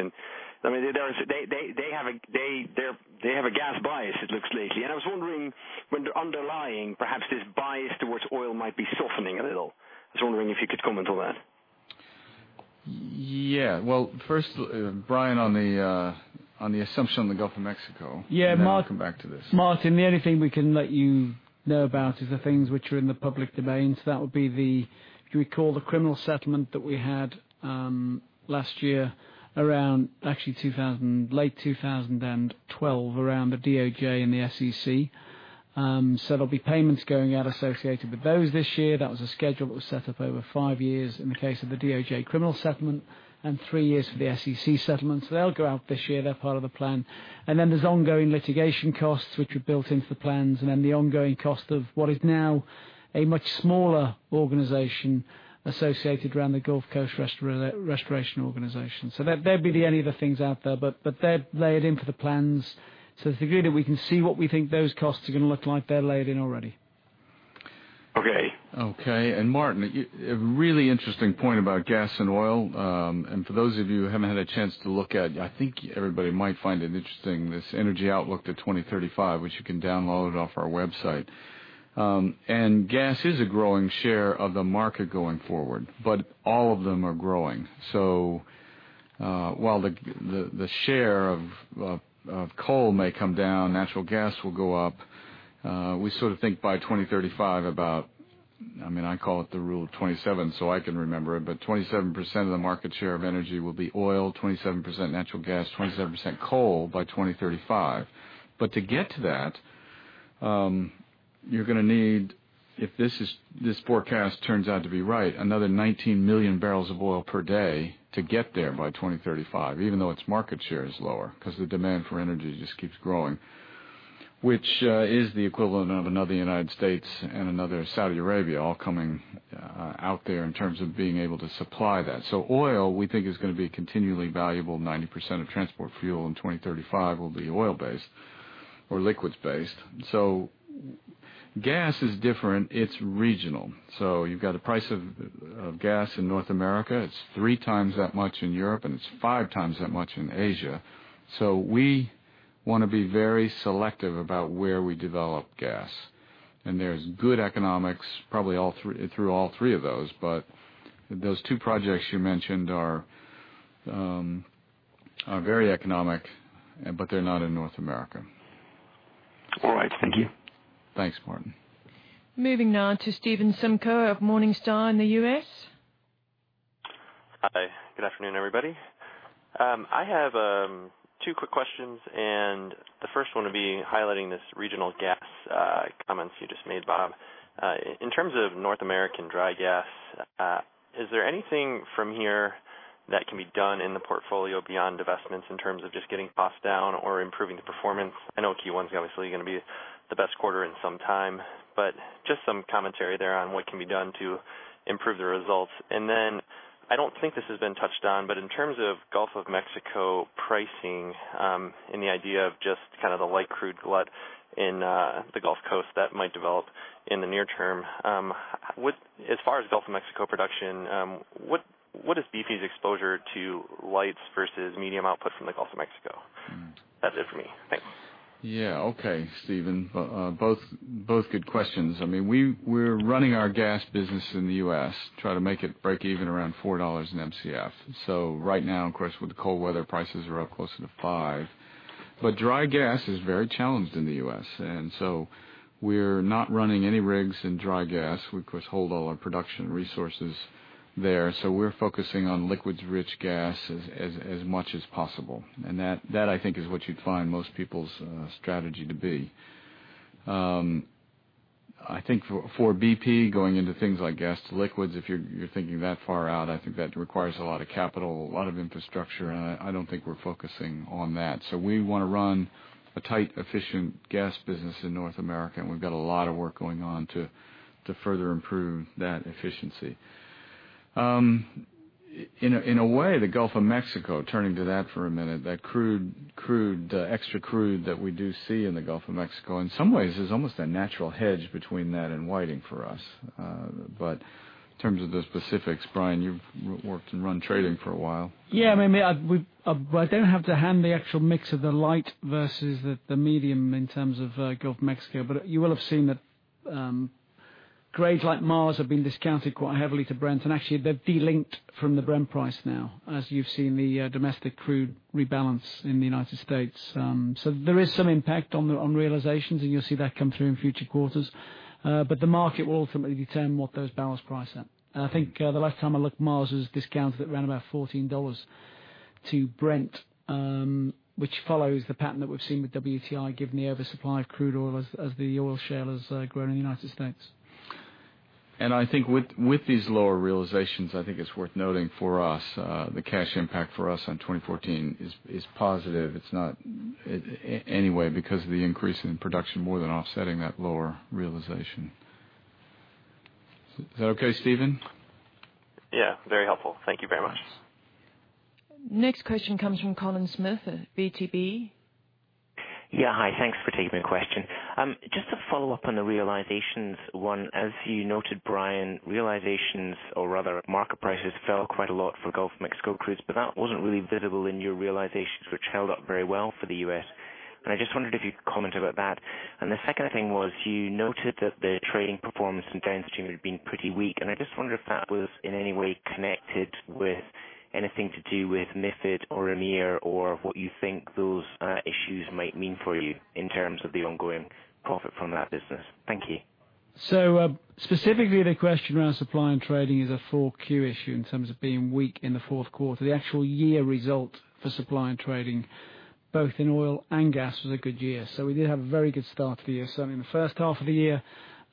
They have a gas bias, it looks lately. I was wondering when underlying perhaps this bias towards oil might be softening a little. I was wondering if you could comment on that. Yeah. Well, first, Brian, on the assumption on the Gulf of Mexico. Yeah. Then I'll come back to this. Martijn, the only thing we can let you know about is the things which are in the public domain. That would be the, if you recall, the criminal settlement that we had last year around actually late 2012 around the DOJ and the SEC. There'll be payments going out associated with those this year. That was a schedule that was set up over five years in the case of the DOJ criminal settlement and three years for the SEC settlement. They'll go out this year. They're part of the plan. Then there's ongoing litigation costs, which were built into the plans, then the ongoing cost of what is now a much smaller organization associated around the Gulf Coast Restoration Organization. They'd be the only other things out there, but they're laid into the plans. The degree that we can see what we think those costs are going to look like, they're laid in already. Okay. Okay, Martijn, a really interesting point about gas and oil. For those of you who haven't had a chance to look at, I think everybody might find it interesting, this Energy Outlook 2035, which you can download it off our website. Gas is a growing share of the market going forward, but all of them are growing. While the share of coal may come down, natural gas will go up. We sort of think by 2035 I call it the rule of 27, so I can remember it, but 27% of the market share of energy will be oil, 27% natural gas, 27% coal by 2035. To get to that, you're going to need, if this forecast turns out to be right, another 19 million barrels of oil per day to get there by 2035, even though its market share is lower because the demand for energy just keeps growing. Which is the equivalent of another U.S. and another Saudi Arabia all coming out there in terms of being able to supply that. Oil, we think is going to be continually valuable. 90% of transport fuel in 2035 will be oil based or liquids based. Gas is different. It's regional. You've got a price of gas in North America. It's 3 times that much in Europe, and it's 5 times that much in Asia. We want to be very selective about where we develop gas. There's good economics probably through all three of those. Those two projects you mentioned are very economic, they're not in North America. All right. Thank you. Thanks, Martijn. Moving now to Stephen Simko of Morningstar in the U.S. Hi. Good afternoon, everybody. I have two quick questions. The first one being highlighting this regional gas comments you just made, Bob. In terms of North American dry gas, is there anything from here that can be done in the portfolio beyond divestments in terms of just getting costs down or improving the performance? I know Q1 is obviously going to be the best quarter in some time, but just some commentary there on what can be done to improve the results. I don't think this has been touched on, but in terms of Gulf of Mexico pricing, and the idea of just kind of the light crude glut in the Gulf Coast that might develop in the near term. As far as Gulf of Mexico production, what is BP's exposure to lights versus medium output from the Gulf of Mexico? That's it for me. Thanks. Yeah. Okay, Stephen. Both good questions. We're running our gas business in the U.S., try to make it break even around $4 in Mcf. Right now, of course, with the cold weather, prices are up closer to five. Dry gas is very challenged in the U.S., we're not running any rigs in dry gas. We, of course, hold all our production resources there. We're focusing on liquids-rich gas as much as possible. That, I think, is what you'd find most people's strategy to be. I think for BP, going into things like gas to liquids, if you're thinking that far out, I think that requires a lot of capital, a lot of infrastructure, I don't think we're focusing on that. We want to run a tight, efficient gas business in North America, and we've got a lot of work going on to further improve that efficiency. In a way, the Gulf of Mexico, turning to that for a minute, that extra crude that we do see in the Gulf of Mexico, in some ways is almost a natural hedge between that and Whiting for us. In terms of the specifics, Brian, you've worked and run trading for a while. Yeah. I don't have to hand the actual mix of the light versus the medium in terms of Gulf of Mexico, you will have seen that grades like Mars have been discounted quite heavily to Brent. Actually, they've de-linked from the Brent price now, as you've seen the domestic crude rebalance in the United States. There is some impact on realizations, and you'll see that come through in future quarters. The market will ultimately determine what those barrels price at. I think the last time I looked, Mars was discounted at around about $14 to Brent, which follows the pattern that we've seen with WTI, given the oversupply of crude oil as the oil shale has grown in the United States. I think with these lower realizations, I think it's worth noting for us, the cash impact for us on 2014 is positive, anyway, because of the increase in production more than offsetting that lower realization. Is that okay, Stephen? Yeah. Very helpful. Thank you very much. Next question comes from Colin Smith at VTB. Yeah. Hi. Thanks for taking the question. Just to follow up on the realizations one, as you noted, Brian, realizations or rather market prices fell quite a lot for Gulf of Mexico crudes, but that wasn't really visible in your realizations, which held up very well for the U.S. I just wondered if you'd comment about that. The second thing was, you noted that the trading performance in downstream had been pretty weak, and I just wondered if that was in any way connected with anything to do with MiFID or EMIR, or what you think those issues might mean for you in terms of the ongoing profit from that business. Thank you. Specifically, the question around supply and trading is a 4Q issue in terms of being weak in the fourth quarter. The actual year result for supply and trading, both in oil and gas, was a good year. We did have a very good start to the year. Certainly in the first half of the year,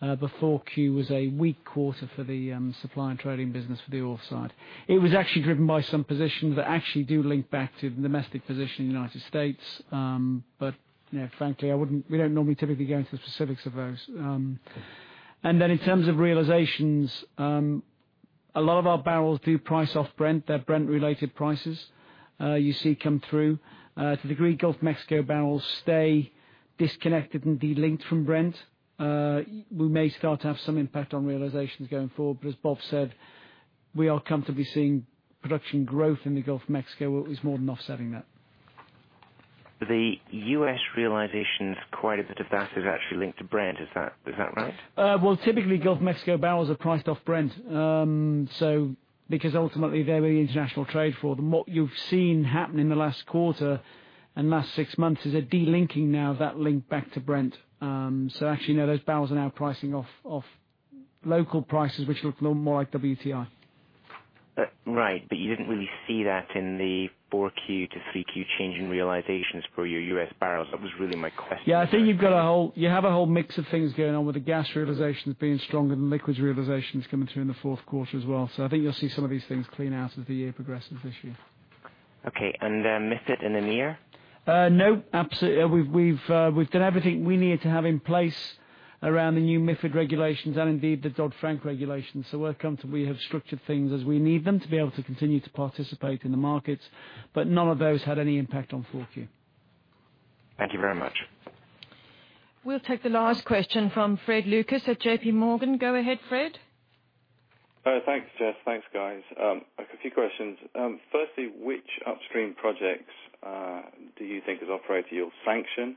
the 4Q was a weak quarter for the supply and trading business for the oil side. It was actually driven by some positions that actually do link back to the domestic position in the United States. Frankly, we don't normally typically go into the specifics of those. In terms of realizations, a lot of our barrels do price off Brent. They're Brent-related prices you see come through. To the degree Gulf of Mexico barrels stay disconnected and de-linked from Brent, we may start to have some impact on realizations going forward. As Bob said, we are comfortably seeing production growth in the Gulf of Mexico is more than offsetting that. The U.S. realizations, quite a bit of that is actually linked to Brent. Is that right? Well, typically, Gulf of Mexico barrels are priced off Brent. Ultimately there'll be international trade for them. What you've seen happen in the last quarter and last six months is a de-linking now of that link back to Brent. Actually, no, those barrels are now pricing off local prices, which look a little more like WTI. Right. You didn't really see that in the 4Q to 3Q change in realizations for your U.S. barrels. That was really my question. Yeah, I think you have a whole mix of things going on with the gas realizations being stronger than liquids realizations coming through in the fourth quarter as well. I think you'll see some of these things clean out as the year progresses this year. Okay. MiFID and EMIR? No. We've done everything we need to have in place around the new MiFID regulations and indeed the Dodd-Frank regulations. We're comfortable we have structured things as we need them to be able to continue to participate in the markets. None of those had any impact on 4Q. Thank you very much. We'll take the last question from Fred Lucas at J.P. Morgan. Go ahead, Fred. Thanks, Jess. Thanks, guys. I've a few questions. Firstly, which upstream projects do you think as operator you'll sanction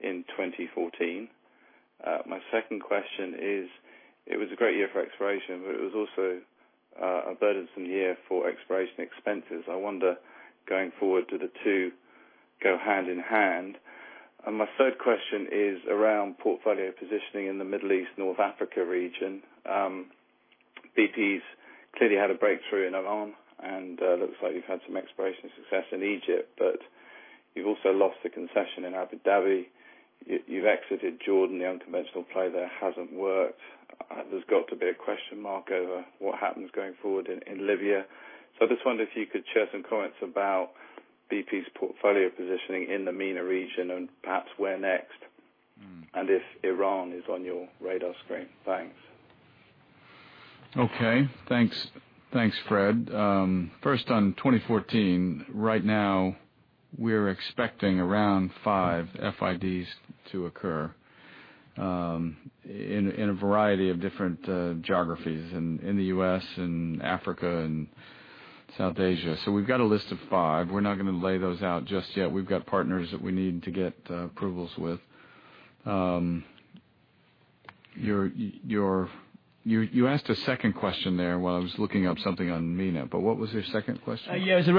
in 2014? My second question is, it was a great year for exploration, but it was also a burdensome year for exploration expenses. I wonder, going forward, do the two go hand in hand? My third question is around portfolio positioning in the Middle East, North Africa region. BP's clearly had a breakthrough in Iran, and looks like you've had some exploration success in Egypt, but you've also lost the concession in Abu Dhabi. You've exited Jordan. The unconventional play there hasn't worked. There's got to be a question mark over what happens going forward in Libya. I just wonder if you could share some comments about BP's portfolio positioning in the MENA region and perhaps where next, and if Iran is on your radar screen. Thanks. Okay. Thanks, Fred. First on 2014, right now we're expecting around five FIDs to occur. In a variety of different geographies in the U.S., Africa, and South Asia. We've got a list of five. We're not going to lay those out just yet. We've got partners that we need to get approvals with. You asked a second question there while I was looking up something on MENA, what was your second question? Yeah, you're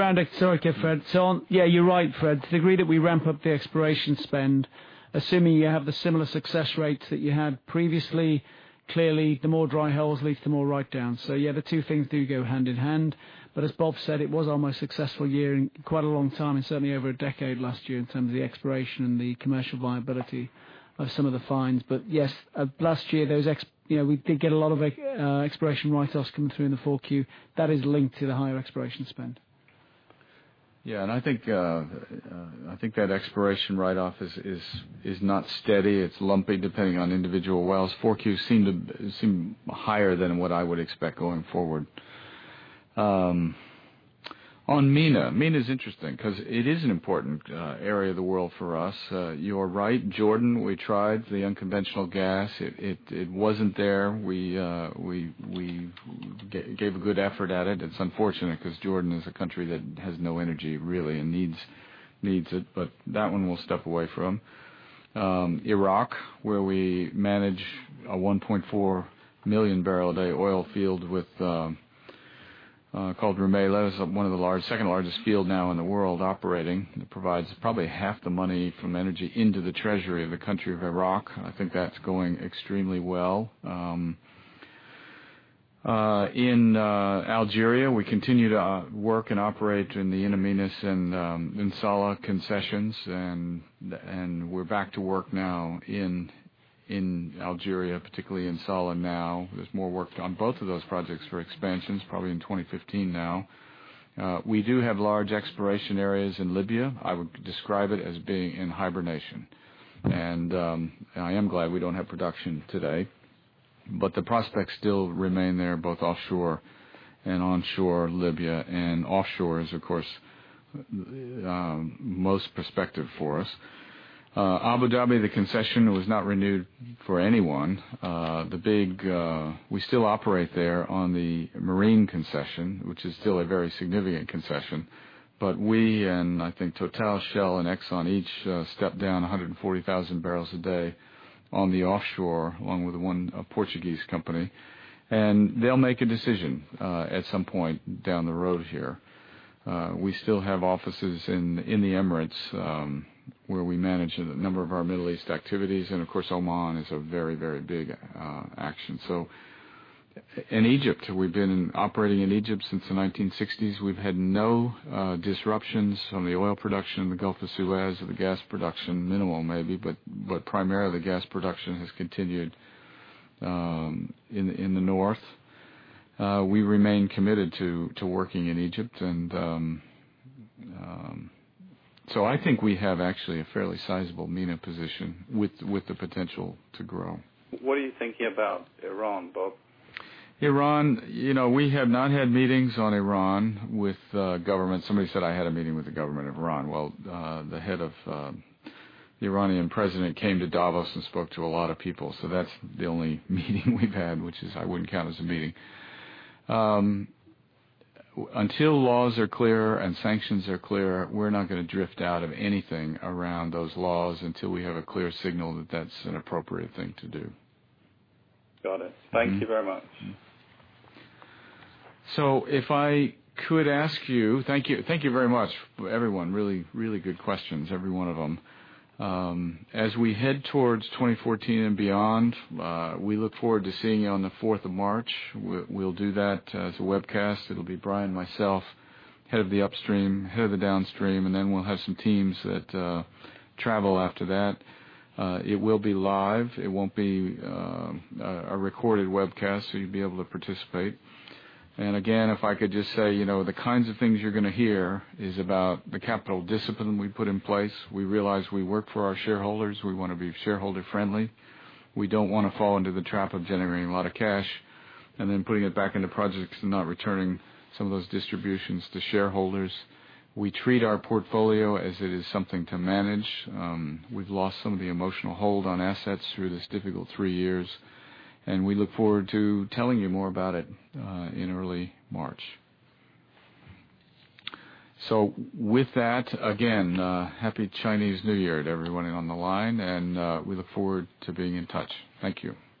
right, Fred. The degree that we ramp up the exploration spend, assuming you have the similar success rates that you had previously, clearly the more dry holes leads to more write-downs. Yeah, the two things do go hand in hand. As Bob said, it was our most successful year in quite a long time, and certainly over a decade last year in terms of the exploration and the commercial viability of some of the finds. Yes, last year, we did get a lot of exploration write-offs coming through in the 4Q that is linked to the higher exploration spend. I think that exploration write-off is not steady. It's lumpy, depending on individual wells. 4Q seem higher than what I would expect going forward. On MENA is interesting because it is an important area of the world for us. You're right. Jordan, we tried the unconventional gas. It wasn't there. We gave a good effort at it. It's unfortunate because Jordan is a country that has no energy, really, and needs it. That one we'll step away from. Iraq, where we manage a 1.4 million barrel a day oil field called Rumaila. It's one of the second-largest field now in the world operating, and it provides probably half the money from energy into the treasury of the country of Iraq. I think that's going extremely well. In Algeria, we continue to work and operate in the In Amenas and In Salah concessions. We're back to work now in Algeria, particularly In Salah now. There's more work on both of those projects for expansions, probably in 2015 now. We do have large exploration areas in Libya. I would describe it as being in hibernation. I am glad we don't have production today, but the prospects still remain there, both offshore and onshore Libya, and offshore is, of course, most prospective for us. Abu Dhabi, the concession was not renewed for anyone. We still operate there on the marine concession, which is still a very significant concession, but we, and I think Total, Shell, and Exxon each stepped down 140,000 barrels a day on the offshore, along with one Portuguese company. They'll make a decision at some point down the road here. We still have offices in the Emirates, where we manage a number of our Middle East activities. Of course, Oman is a very big action. In Egypt, we've been operating in Egypt since the 1960s. We've had no disruptions from the oil production in the Gulf of Suez or the gas production, minimal maybe, but primarily, gas production has continued in the north. We remain committed to working in Egypt. I think we have actually a fairly sizable MENA position with the potential to grow. What are you thinking about Iran, Bob? Iran, we have not had meetings on Iran with government. Somebody said I had a meeting with the government of Iran. The head of the Iranian president came to Davos and spoke to a lot of people. That's the only meeting we've had, which is I wouldn't count as a meeting. Until laws are clear and sanctions are clear, we're not going to drift out of anything around those laws until we have a clear signal that that's an appropriate thing to do. Got it. Thank you very much. Thank you very much, everyone. Really good questions, every one of them. As we head towards 2014 and beyond, we look forward to seeing you on the 4th of March. We'll do that as a webcast. It'll be Brian, myself, head of the upstream, head of the downstream, and then we'll have some teams that travel after that. It will be live. It won't be a recorded webcast, so you'd be able to participate. Again, if I could just say, the kinds of things you're going to hear is about the capital discipline we put in place. We realize we work for our shareholders. We want to be shareholder-friendly. We don't want to fall into the trap of generating a lot of cash and then putting it back into projects and not returning some of those distributions to shareholders. We treat our portfolio as it is something to manage. We've lost some of the emotional hold on assets through this difficult three years. We look forward to telling you more about it in early March. With that, again, happy Chinese New Year to everyone on the line. We look forward to being in touch. Thank you.